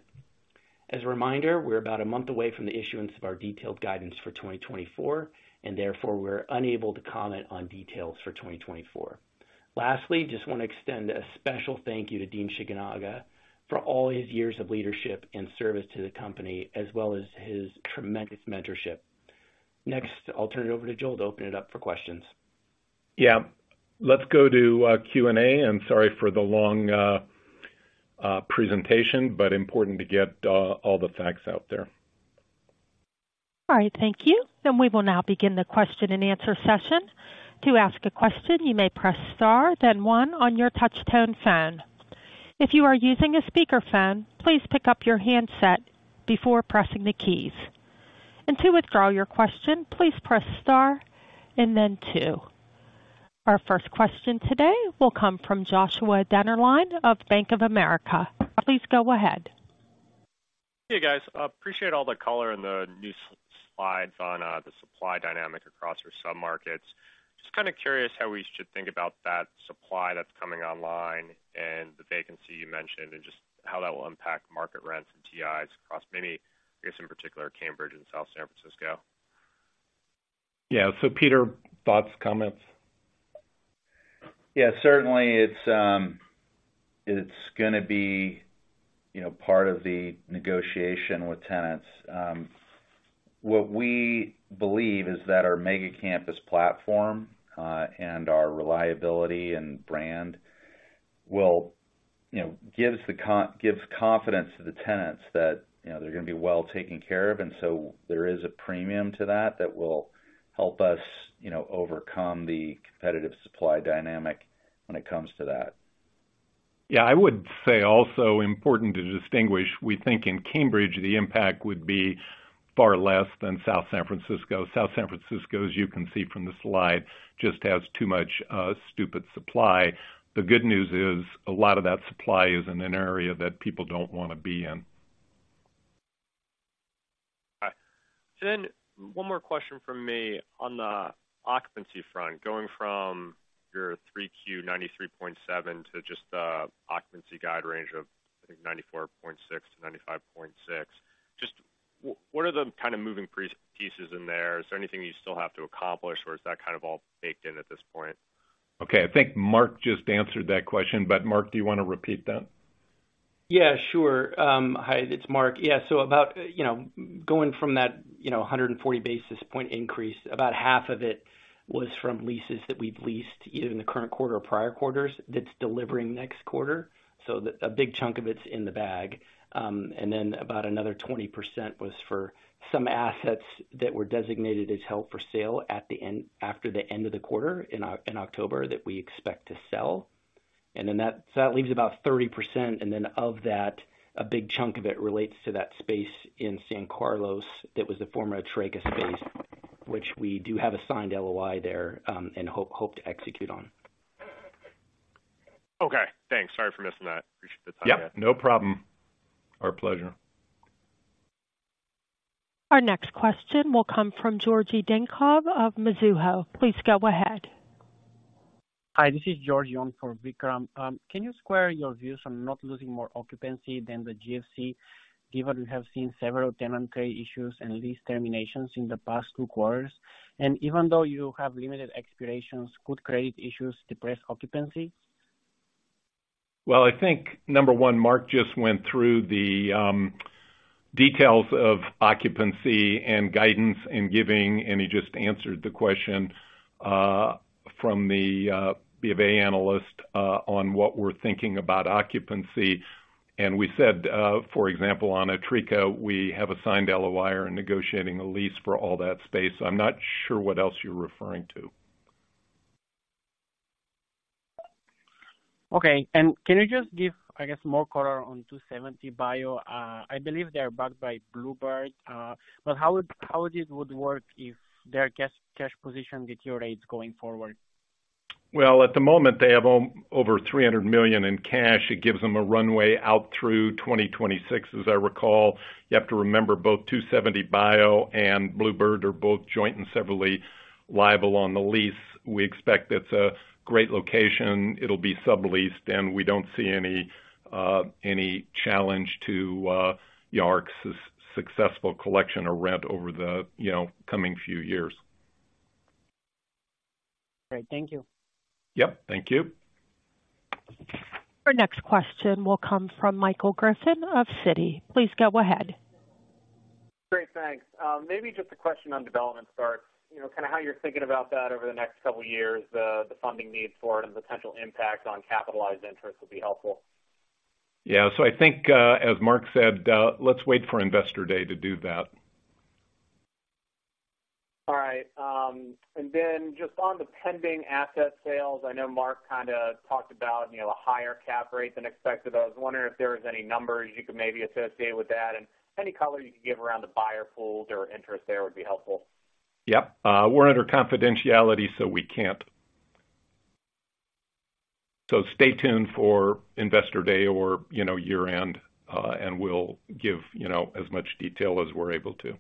As a reminder, we're about a month away from the issuance of our detailed guidance for 2024, and therefore, we're unable to comment on details for 2024. Lastly, just want to extend a special thank you to Dean Shigenaga for all his years of leadership and service to the company, as well as his tremendous mentorship. Next, I'll turn it over to Joel to open it up for questions. Yeah. Let's go to Q&A. I'm sorry for the long presentation, but important to get all the facts out there. All right. Thank you. And we will now begin the question-and-answer session. To ask a question, you may press star, then one on your touch tone phone. If you are using a speakerphone, please pick up your handset before pressing the keys. And to withdraw your question, please press star and then two. Our first question today will come from Joshua Dennerlein of Bank of America. Please go ahead. Hey, guys. I appreciate all the color and the new slides on the supply dynamic across your submarkets. Just kind of curious how we should think about that supply that's coming online and the vacancy you mentioned, and just how that will impact market rents and TIs across maybe, I guess, in particular, Cambridge and South San Francisco. Yeah. So Peter, thoughts, comments? Yeah, certainly it's gonna be, you know, part of the negotiation with tenants. What we believe is that our mega campus platform and our reliability and brand will, you know, gives confidence to the tenants that, you know, they're gonna be well taken care of. And so there is a premium to that that will help us, you know, overcome the competitive supply dynamic when it comes to that. Yeah, I would say also important to distinguish, we think in Cambridge, the impact would be far less than South San Francisco. South San Francisco, as you can see from the slide, just has too much stupid supply. The good news is, a lot of that supply is in an area that people don't want to be in. All right. Then one more question from me. On the occupancy front, going from your 3Q 93.7% to just the occupancy guide range of, I think, 94.6%-95.6%, just what are the kind of moving pieces in there? Is there anything you still have to accomplish, or is that kind of all baked in at this point? Okay, I think Marc just answered that question, but Marc, do you want to repeat that? Yeah, sure. Hi, it's Mark. Yeah, so about, you know, going from that, you know, a 140 basis point increase, about half of it was from leases that we've leased, either in the current quarter or prior quarters, that's delivering next quarter. So, a big chunk of it's in the bag. And then about another 20% was for some assets that were designated as held for sale at the end, after the end of the quarter in October, that we expect to sell. And then that, so that leaves about 30%, and then of that, a big chunk of it relates to that space in San Carlos that was the former Atreca space, which we do have a signed LOI there, and hope, hope to execute on. Okay, thanks. Sorry for missing that. Appreciate the time. Yeah, no problem. Our pleasure. Our next question will come from Georgi Dinkov of Mizuho. Please go ahead. Hi, this is Georgi on for Vikram. Can you square your views on not losing more occupancy than the GFC, given you have seen several tenant pay issues and lease terminations in the past two quarters? And even though you have limited expirations, could create issues, depress occupancy? Well, I think, number one, Mark just went through the details of occupancy and guidance and giving, and he just answered the question from the BofA analyst on what we're thinking about occupancy. We said, for example, on Atreca, we have assigned LOI and negotiating a lease for all that space. So I'm not sure what else you're referring to. Okay. And can you just give, I guess, more color on 270 Bio? I believe they are backed by bluebird bio, but how this would work if their cash position deteriorates going forward? Well, at the moment, they have over $300 million in cash. It gives them a runway out through 2026, as I recall. You have to remember, both 270 bio and bluebird bio are both joint and severally liable on the lease. We expect it's a great location, it'll be subleased, and we don't see any challenge to our successful collection of rent over the, you know, coming few years. Great. Thank you. Yep, thank you. Our next question will come from Michael Griffin of Citi. Please go ahead. Great, thanks. Maybe just a question on development start. You know, kind of how you're thinking about that over the next couple of years, the funding need for it and the potential impact on capitalized interest would be helpful. Yeah. So I think, as Mark said, let's wait for Investor Day to do that. All right. And then just on the pending asset sales, I know Mark kind of talked about, you know, a higher cap rate than expected. I was wondering if there was any numbers you could maybe associate with that, and any color you could give around the buyer pool or interest there would be helpful. Yeah. We're under confidentiality, so we can't. So stay tuned for Investor Day or, you know, year-end, and we'll give, you know, as much detail as we're able to.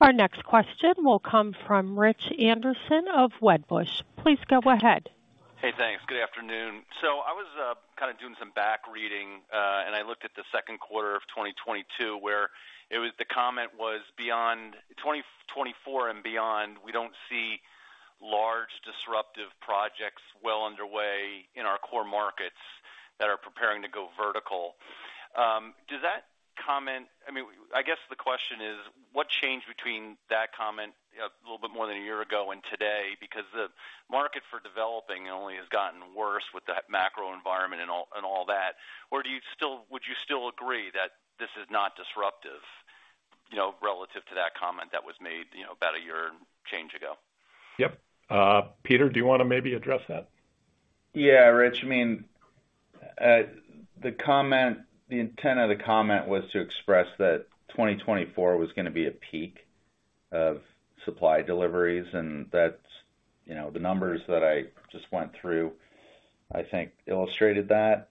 All right. Our next question will come from Rich Anderson of Wedbush. Please go ahead. Hey, thanks. Good afternoon. So I was kind of doing some back reading, and I looked at the second quarter of 2022, where the comment was beyond 2024 and beyond, we don't see large disruptive projects well underway in our core markets that are preparing to go vertical. Does that comment I mean, I guess the question is, what changed between that comment a little bit more than a year ago and today? Because the market for developing only has gotten worse with that macro environment and all, and all that. Or do you still would you still agree that this is not disruptive, you know, relative to that comment that was made, you know, about a year and change ago? Yep. Peter, do you want to maybe address that? Yeah, Rich. I mean, the comment, the intent of the comment was to express that 2024 was going to be a peak of supply deliveries, and that's, you know, the numbers that I just went through, I think, illustrated that.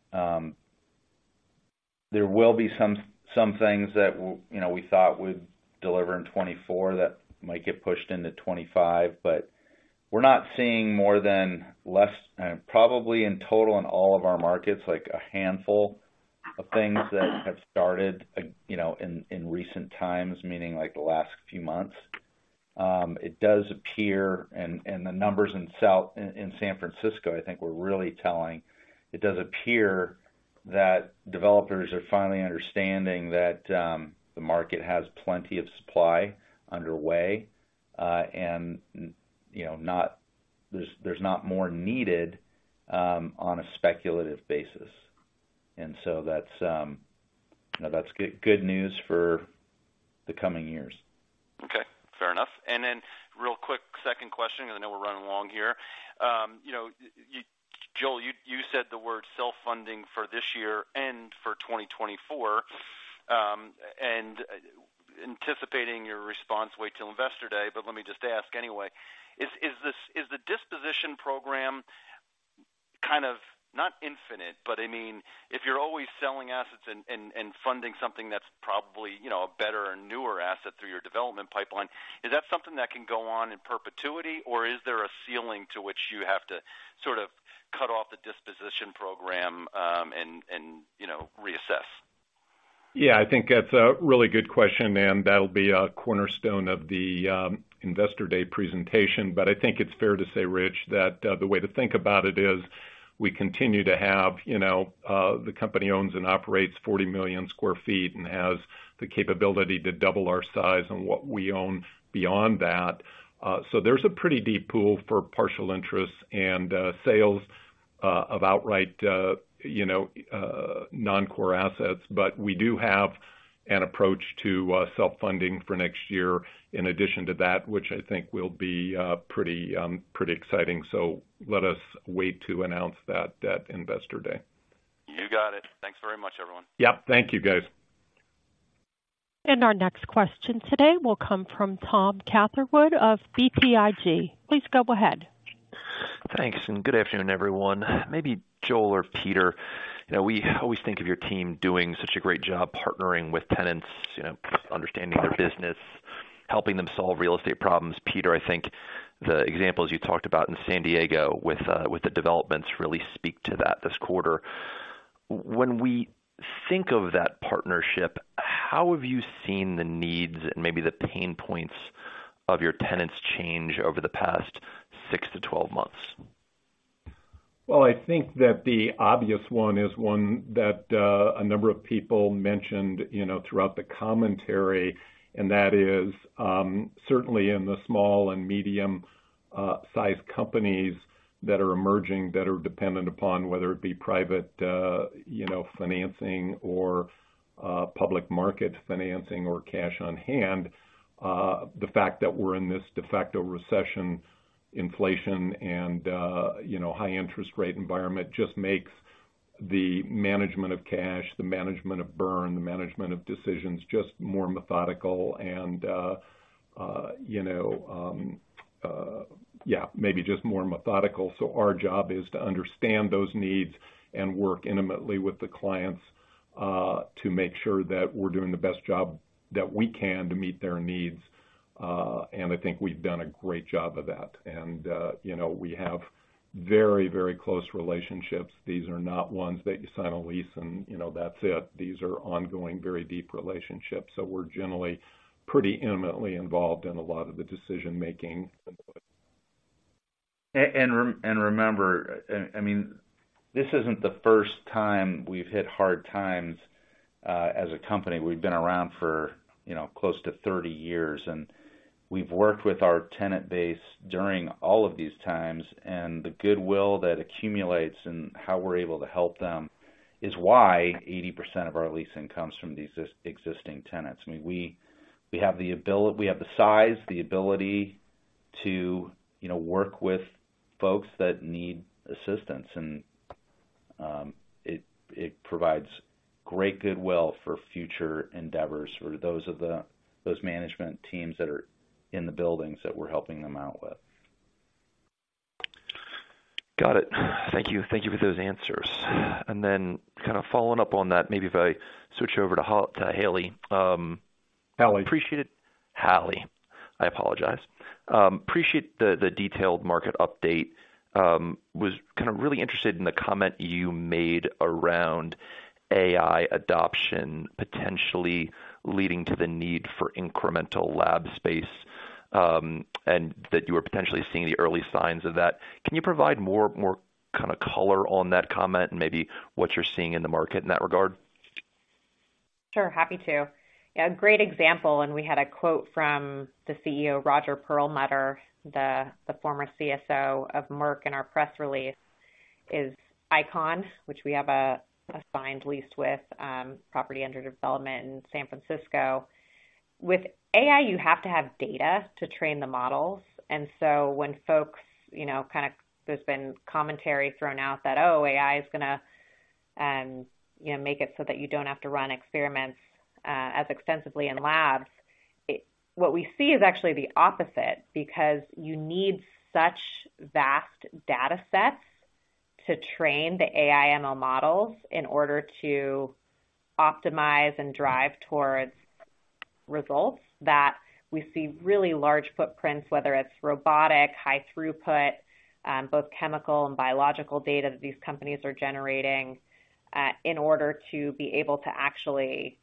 There will be some things that, you know, we thought would deliver in 2024 that might get pushed into 2025, but we're not seeing more than less, probably in total in all of our markets, like a handful of things that have started, you know, in recent times, meaning like the last few months. It does appear, and the numbers in South San Francisco, I think, were really telling. It does appear that developers are finally understanding that the market has plenty of supply underway, and, you know, there's not more needed on a speculative basis. And so that's, you know, that's good, good news for the coming years. Okay, fair enough. And then, real quick second question, because I know we're running along here. You know, Joel, you said the word self-funding for this year and for 2024, and anticipating your response, wait till Investor Day. But let me just ask anyway, is this the disposition program kind of not infinite, but I mean, if you're always selling assets and funding something that's probably, you know, a better and newer asset through your development pipeline, is that something that can go on in perpetuity, or is there a ceiling to which you have to sort of cut off the disposition program, and you know, reassess? Yeah, I think that's a really good question, and that'll be a cornerstone of the Investor Day presentation. But I think it's fair to say, Rich, that the way to think about it is, we continue to have, you know, the company owns and operates 40 million sq ft and has the capability to double our size and what we own beyond that. So there's a pretty deep pool for partial interests and sales of outright, you know, non-core assets. But we do have an approach to self-funding for next year in addition to that, which I think will be pretty exciting. So let us wait to announce that at Investor Day. You got it. Thanks very much, everyone. Yep. Thank you, guys. Our next question today will come from Tom Catherwood of BTIG. Please go ahead. Thanks, and good afternoon, everyone. Maybe Joel or Peter, you know, we always think of your team doing such a great job partnering with tenants, you know, understanding their business, helping them solve real estate problems. Peter, I think the examples you talked about in San Diego with the developments really speak to that this quarter. When we think of that partnership, how have you seen the needs and maybe the pain points of your tenants change over the past 6-12 months? Well, I think that the obvious one is one that, a number of people mentioned, you know, throughout the commentary, and that is, certainly in the small and medium-sized companies that are emerging, that are dependent upon whether it be private, you know, financing or, public market financing or cash on hand. The fact that we're in this de facto recession, inflation and, you know, high interest rate environment just makes the management of cash, the management of burn, the management of decisions, just more methodical and, yeah, maybe just more methodical. So our job is to understand those needs and work intimately with the clients, to make sure that we're doing the best job that we can to meet their needs. And I think we've done a great job of that. And, you know, we have very, very close relationships. These are not ones that you sign a lease and, you know, that's it. These are ongoing, very deep relationships, so we're generally pretty intimately involved in a lot of the decision-making. And remember, I mean, this isn't the first time we've hit hard times as a company. We've been around for, you know, close to 30 years, and we've worked with our tenant base during all of these times, and the goodwill that accumulates and how we're able to help them is why 80% of our leasing comes from these existing tenants. I mean, we have the ability we have the size, the ability to, you know, work with folks that need assistance. And it provides great goodwill for future endeavors for those management teams that are in the buildings that we're helping them out with. Got it. Thank you. Thank you for those answers. Then kind of following up on that, maybe if I switch over to Hallie. Hallie. Appreciate it. Hallie, I apologize. Appreciate the detailed market update. Was kind of really interested in the comment you made around AI adoption, potentially leading to the need for incremental lab space, and that you were potentially seeing the early signs of that. Can you provide more kind of color on that comment and maybe what you're seeing in the market in that regard? Sure, happy to. A great example, and we had a quote from the CEO, Roger Perlmutter, the former CSO of Merck in our press release, is Eikon, which we have a signed lease with, property under development in San Francisco. With AI, you have to have data to train the models, and so when folks, you know, kind of... There's been commentary thrown out that, oh, AI is gonna, you know, make it so that you don't have to run experiments as extensively in labs. What we see is actually the opposite, because you need such vast data sets to train the AI ML models in order to optimize and drive towards results, that we see really large footprints, whether it's robotic, high throughput, both chemical and biological data that these companies are generating, in order to be able to actually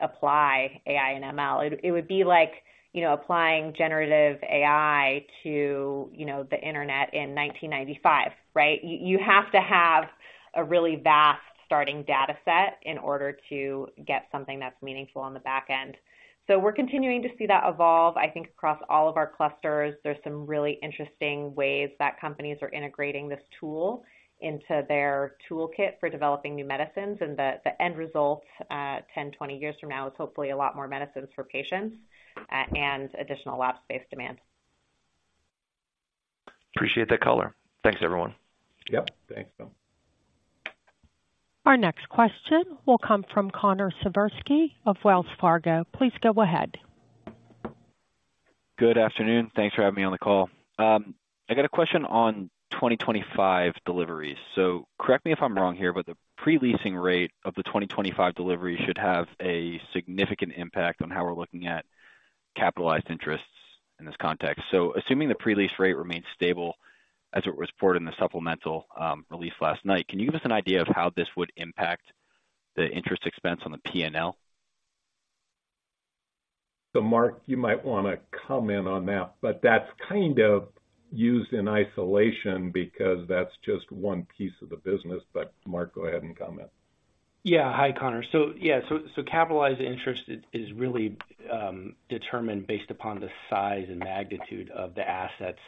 apply AI and ML. It would be like, you know, applying generative AI to, you know, the internet in 1995, right? You have to have a really vast starting data set in order to get something that's meaningful on the back end. So we're continuing to see that evolve, I think, across all of our clusters. There's some really interesting ways that companies are integrating this tool into their toolkit for developing new medicines, and the end result, 10-20 years from now, is hopefully a lot more medicines for patients, and additional lab space demand. Appreciate that color. Thanks, everyone. Yep. Thanks, Tom. Our next question will come from Connor Siversky of Wells Fargo. Please go ahead. Good afternoon. Thanks for having me on the call. I got a question on 2025 deliveries, so correct me if I'm wrong here, but the pre-leasing rate of the 2025 delivery should have a significant impact on how we're looking at capitalized interests in this context. So assuming the pre-lease rate remains stable, as it was reported in the supplemental, release last night, can you give us an idea of how this would impact the interest expense on the PNL? So, Marc, you might want to comment on that, but that's kind of used in isolation because that's just one piece of the business. But Marc, go ahead and comment. Yeah. Hi, Connor. So capitalized interest is really determined based upon the size and magnitude of the assets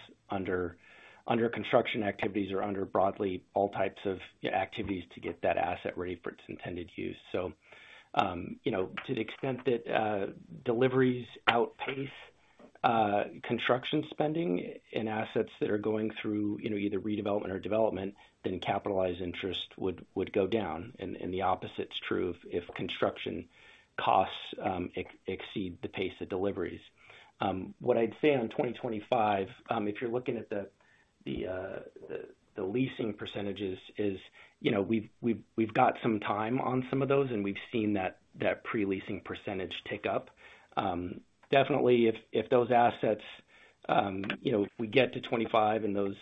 under construction activities or under broadly all types of activities to get that asset ready for its intended use. So you know, to the extent that deliveries outpace construction spending in assets that are going through, you know, either redevelopment or development, then capitalized interest would go down. And the opposite is true if construction costs exceed the pace of deliveries. What I'd say on 2025, if you're looking at the leasing percentages is, you know, we've got some time on some of those, and we've seen that pre-leasing percentage tick up. Definitely, if those assets, you know, if we get to 25 and those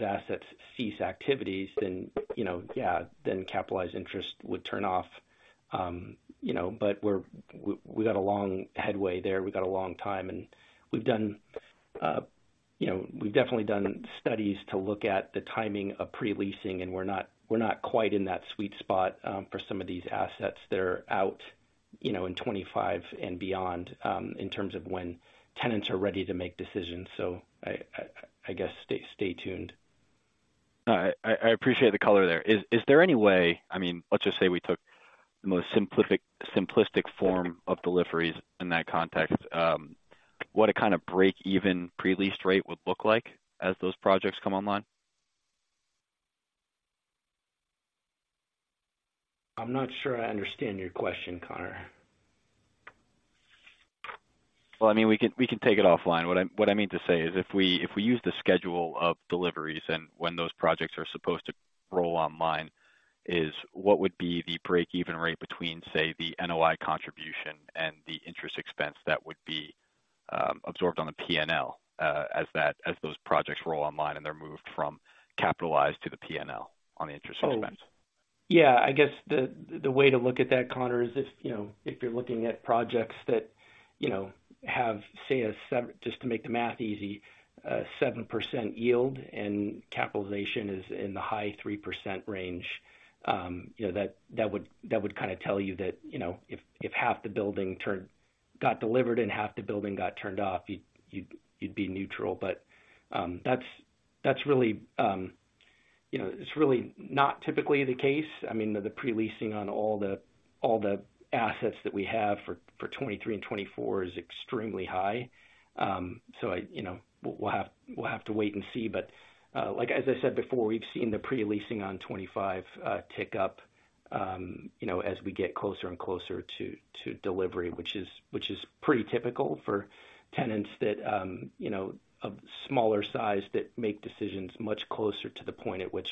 assets cease activities, then, you know, yeah, then capitalized interest would turn off. You know, but we're we got a long headway there. We got a long time, and we've done, you know, we've definitely done studies to look at the timing of pre-leasing, and we're not, we're not quite in that sweet spot, for some of these assets that are out, you know, in 25 and beyond, in terms of when tenants are ready to make decisions. So I guess, stay tuned. I appreciate the color there. Is there any way... I mean, let's just say we took the most simplistic form of deliveries in that context, what a kind of break-even pre-leased rate would look like as those projects come online? I'm not sure I understand your question, Connor. Well, I mean, we can take it offline. What I mean to say is, if we use the schedule of deliveries and when those projects are supposed to roll online, what would be the break-even rate between, say, the NOI contribution and the interest expense that would be absorbed on the PNL as those projects roll online, and they're moved from capitalized to the PNL on the interest expense? Yeah, I guess the way to look at that, Connor, is if, you know, if you're looking at projects that, you know, have, say, a seven, just to make the math easy, 7% yield and capitalization is in the high 3% range, you know, that would kind of tell you that, you know, if half the building got delivered and half the building got turned off, you'd be neutral. But that's really, you know, it's really not typically the case. I mean, the pre-leasing on all the assets that we have for 2023 and 2024 is extremely high. So I, you know, we'll have to wait and see. But, like as I said before, we've seen the pre-leasing on 25 tick up, you know, as we get closer and closer to delivery, which is pretty typical for tenants that, you know, of smaller size, that make decisions much closer to the point at which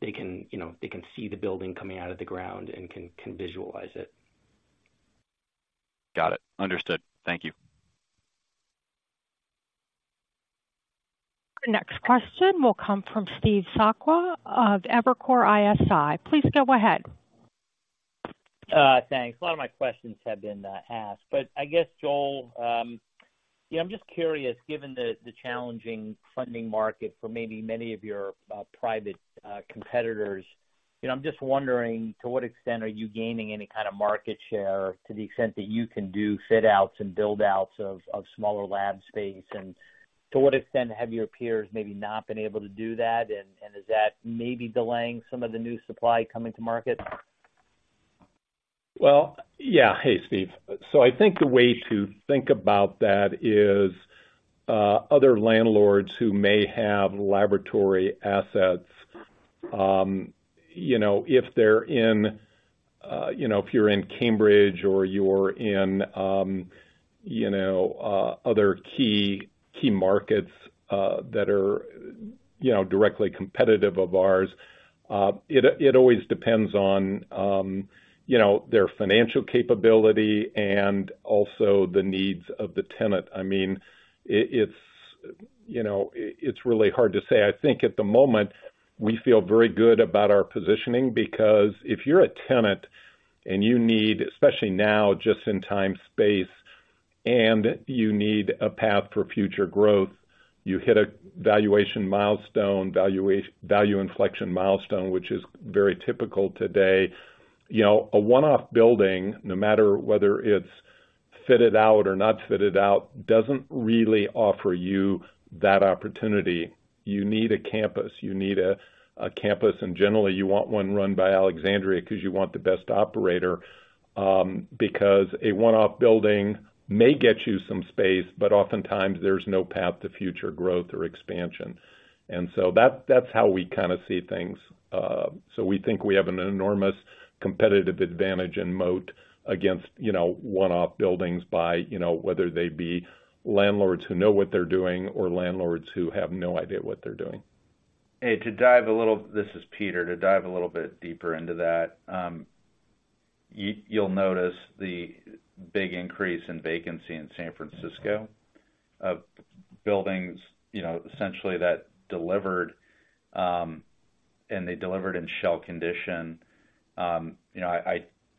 they can, you know, they can see the building coming out of the ground and can visualize it. Got it. Understood. Thank you. The next question will come from Steve Sakwa of Evercore ISI. Please go ahead. Thanks. A lot of my questions have been asked, but I guess, Joel, I'm just curious, given the challenging funding market for maybe many of your private competitors, you know, I'm just wondering, to what extent are you gaining any kind of market share, to the extent that you can do fit outs and build outs of smaller lab space? And to what extent have your peers maybe not been able to do that, and is that maybe delaying some of the new supply coming to market? Well, yeah. Hey, Steve. So I think the way to think about that is, other landlords who may have laboratory assets, you know, if they're in, you know, if you're in Cambridge or you're in, you know, other key, key markets, that are, you know, directly competitive of ours, it, it always depends on, you know, their financial capability and also the needs of the tenant. I mean, it, it's, you know, it, it's really hard to say. I think at the moment, we feel very good about our positioning, because if you're a tenant and you need, especially now, just in time, space, and you need a path for future growth, you hit a valuation milestone, valuation value inflection milestone, which is very typical today. You know, a one-off building, no matter whether it's fitted out or not fitted out, doesn't really offer you that opportunity. You need a campus. You need a campus, and generally, you want one run by Alexandria, 'cause you want the best operator. Because a one-off building may get you some space, but oftentimes there's no path to future growth or expansion. And so that's how we kind of see things. So we think we have an enormous competitive advantage and moat against, you know, one-off buildings by, you know, whether they be landlords who know what they're doing or landlords who have no idea what they're doing. Hey, to dive a little. This is Peter. To dive a little bit deeper into that, you, you'll notice the big increase in vacancy in San Francisco, of buildings, you know, essentially that delivered, and they delivered in shell condition. You know,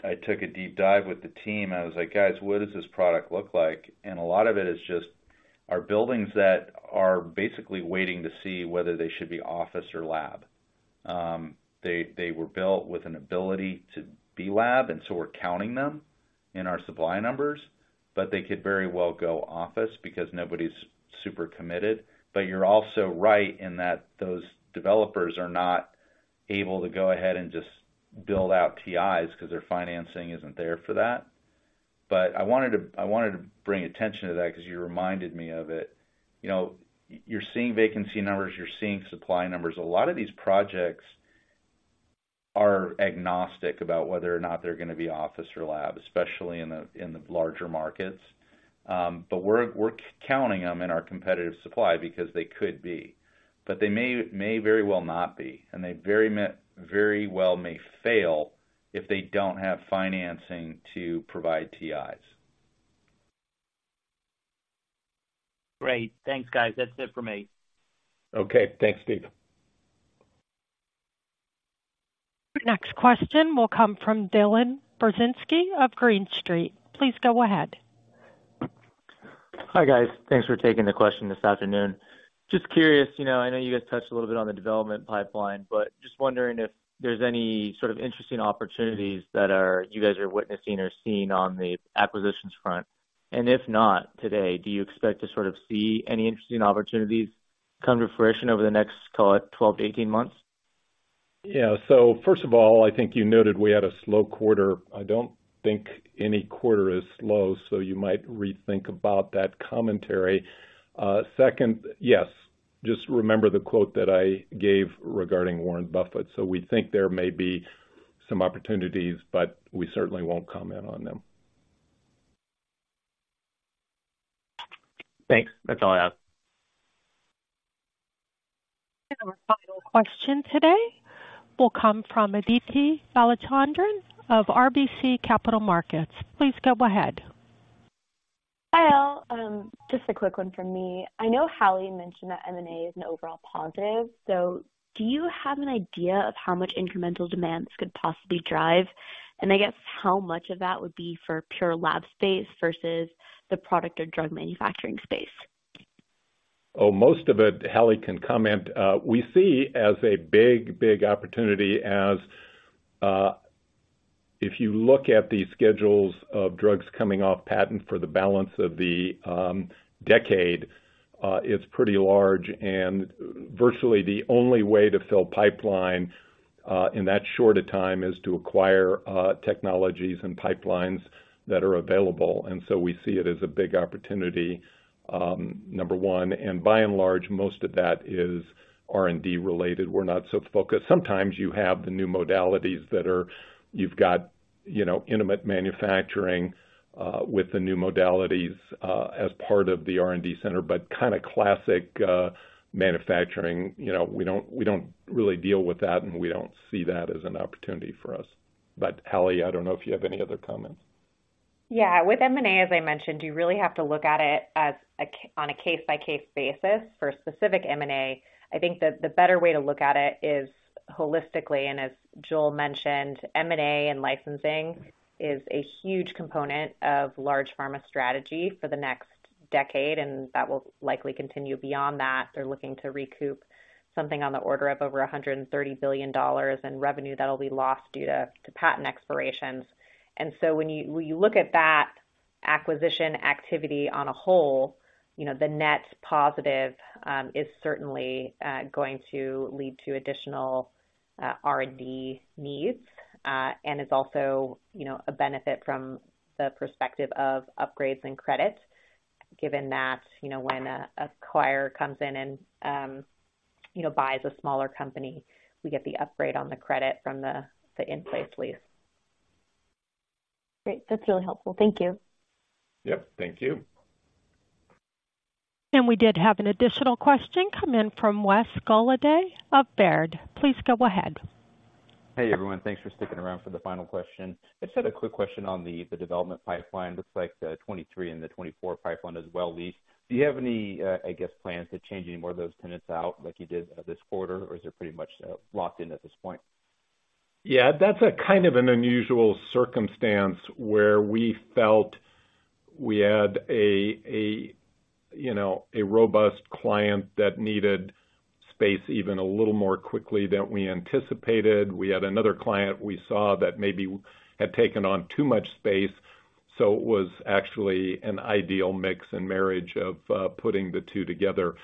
I took a deep dive with the team, and I was like, "Guys, what does this product look like?" And a lot of it is just our buildings that are basically waiting to see whether they should be office or lab. They were built with an ability to be lab, and so we're counting them in our supply numbers, but they could very well go office because nobody's super committed. But you're also right in that those developers are not able to go ahead and just build out TIs because their financing isn't there for that. But I wanted to bring attention to that because you reminded me of it. You know, you're seeing vacancy numbers, you're seeing supply numbers. A lot of these projects are agnostic about whether or not they're gonna be office or lab, especially in the larger markets. But we're counting them in our competitive supply because they could be, but they may very well not be, and they very well may fail if they don't have financing to provide TIs. Great. Thanks, guys. That's it for me. Okay. Thanks, Steve. Next question will come from Dylan Burzinski of Green Street. Please go ahead. Hi, guys. Thanks for taking the question this afternoon. Just curious, you know, I know you guys touched a little bit on the development pipeline, but just wondering if there's any sort of interesting opportunities that you guys are witnessing or seeing on the acquisitions front. If not today, do you expect to sort of see any interesting opportunities come to fruition over the next, call it, 12 to 18 months? Yeah. So first of all, I think you noted we had a slow quarter. I don't think any quarter is slow, so you might rethink about that commentary. Second, yes, just remember the quote that I gave regarding Warren Buffett. So we think there may be some opportunities, but we certainly won't comment on them. Thanks. That's all I have. Our final question today will come from Aditi Balachandran of RBC Capital Markets. Please go ahead. Just a quick one from me. I know Hallie mentioned that M&A is an overall positive, so do you have an idea of how much incremental demands could possibly drive? And I guess how much of that would be for pure lab space versus the product or drug manufacturing space? Oh, most of it, Hallie can comment. We see as a big, big opportunity as if you look at the schedules of drugs coming off patent for the balance of the decade, it's pretty large. And virtually the only way to fill pipeline in that short a time is to acquire technologies and pipelines that are available. And so we see it as a big opportunity, number one, and by and large, most of that is R&D related. We're not so focused. Sometimes you have the new modalities that are you've got, you know, intimate manufacturing with the new modalities as part of the R&D center, but kind of classic manufacturing, you know, we don't, we don't really deal with that, and we don't see that as an opportunity for us. But, Hallie, I don't know if you have any other comments. Yeah. With M&A, as I mentioned, you really have to look at it as a, on a case-by-case basis for specific M&A. I think that the better way to look at it is holistically, and as Joel mentioned, M&A and licensing is a huge component of large pharma strategy for the next decade, and that will likely continue beyond that. They're looking to recoup something on the order of over $130 billion in revenue that'll be lost due to patent expirations. And so when you look at that acquisition activity on a whole, you know, the net positive is certainly going to lead to additional R&D needs. And is also, you know, a benefit from the perspective of upgrades and credits. Given that, you know, when an acquirer comes in and, you know, buys a smaller company, we get the upgrade on the credit from the in-place lease. Great. That's really helpful. Thank you. Yep, thank you. We did have an additional question come in from Wes Golladay of Baird. Please go ahead. Hey, everyone. Thanks for sticking around for the final question. I just had a quick question on the development pipeline. Looks like the 2023 and 2024 pipeline is well leased. Do you have any, I guess, plans to change any more of those tenants out like you did this quarter, or is it pretty much locked in at this point? Yeah, that's a kind of an unusual circumstance where we felt we had a, you know, a robust client that needed space even a little more quickly than we anticipated. We had another client we saw that maybe had taken on too much space, so it was actually an ideal mix and marriage of putting the two together.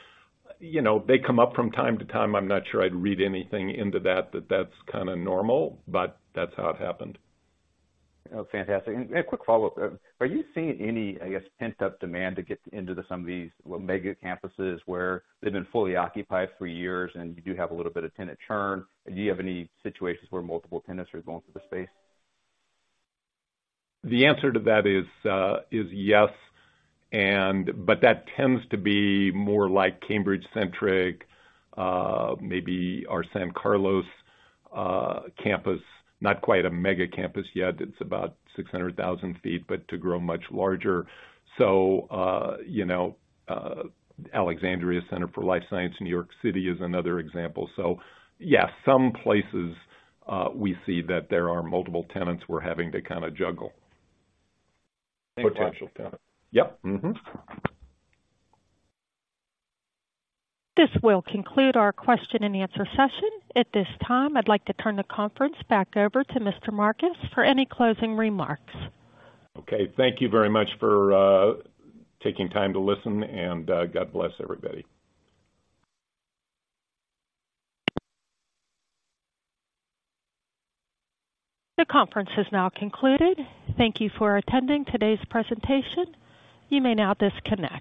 You know, they come up from time to time. I'm not sure I'd read anything into that, but that's kind of normal, but that's how it happened. Oh, fantastic. A quick follow-up. Are you seeing any, I guess, pent-up demand to get into some of these mega campuses where they've been fully occupied for years and you do have a little bit of tenant churn? Do you have any situations where multiple tenants are going through the space? The answer to that is, is yes, and but that tends to be more like Cambridge centric, maybe our San Carlos campus, not quite a mega campus yet. It's about 600,000 sq ft, but to grow much larger. So, you know, Alexandria Center for Life Science, New York City is another example. So yeah, some places, we see that there are multiple tenants we're having to kind of juggle- Thank you. Potential tenants. Yep. This will conclude our question-and-answer session. At this time, I'd like to turn the conference back over to Mr. Marcus for any closing remarks. Okay. Thank you very much for taking time to listen, and God bless everybody. The conference is now concluded. Thank you for attending today's presentation. You may now disconnect.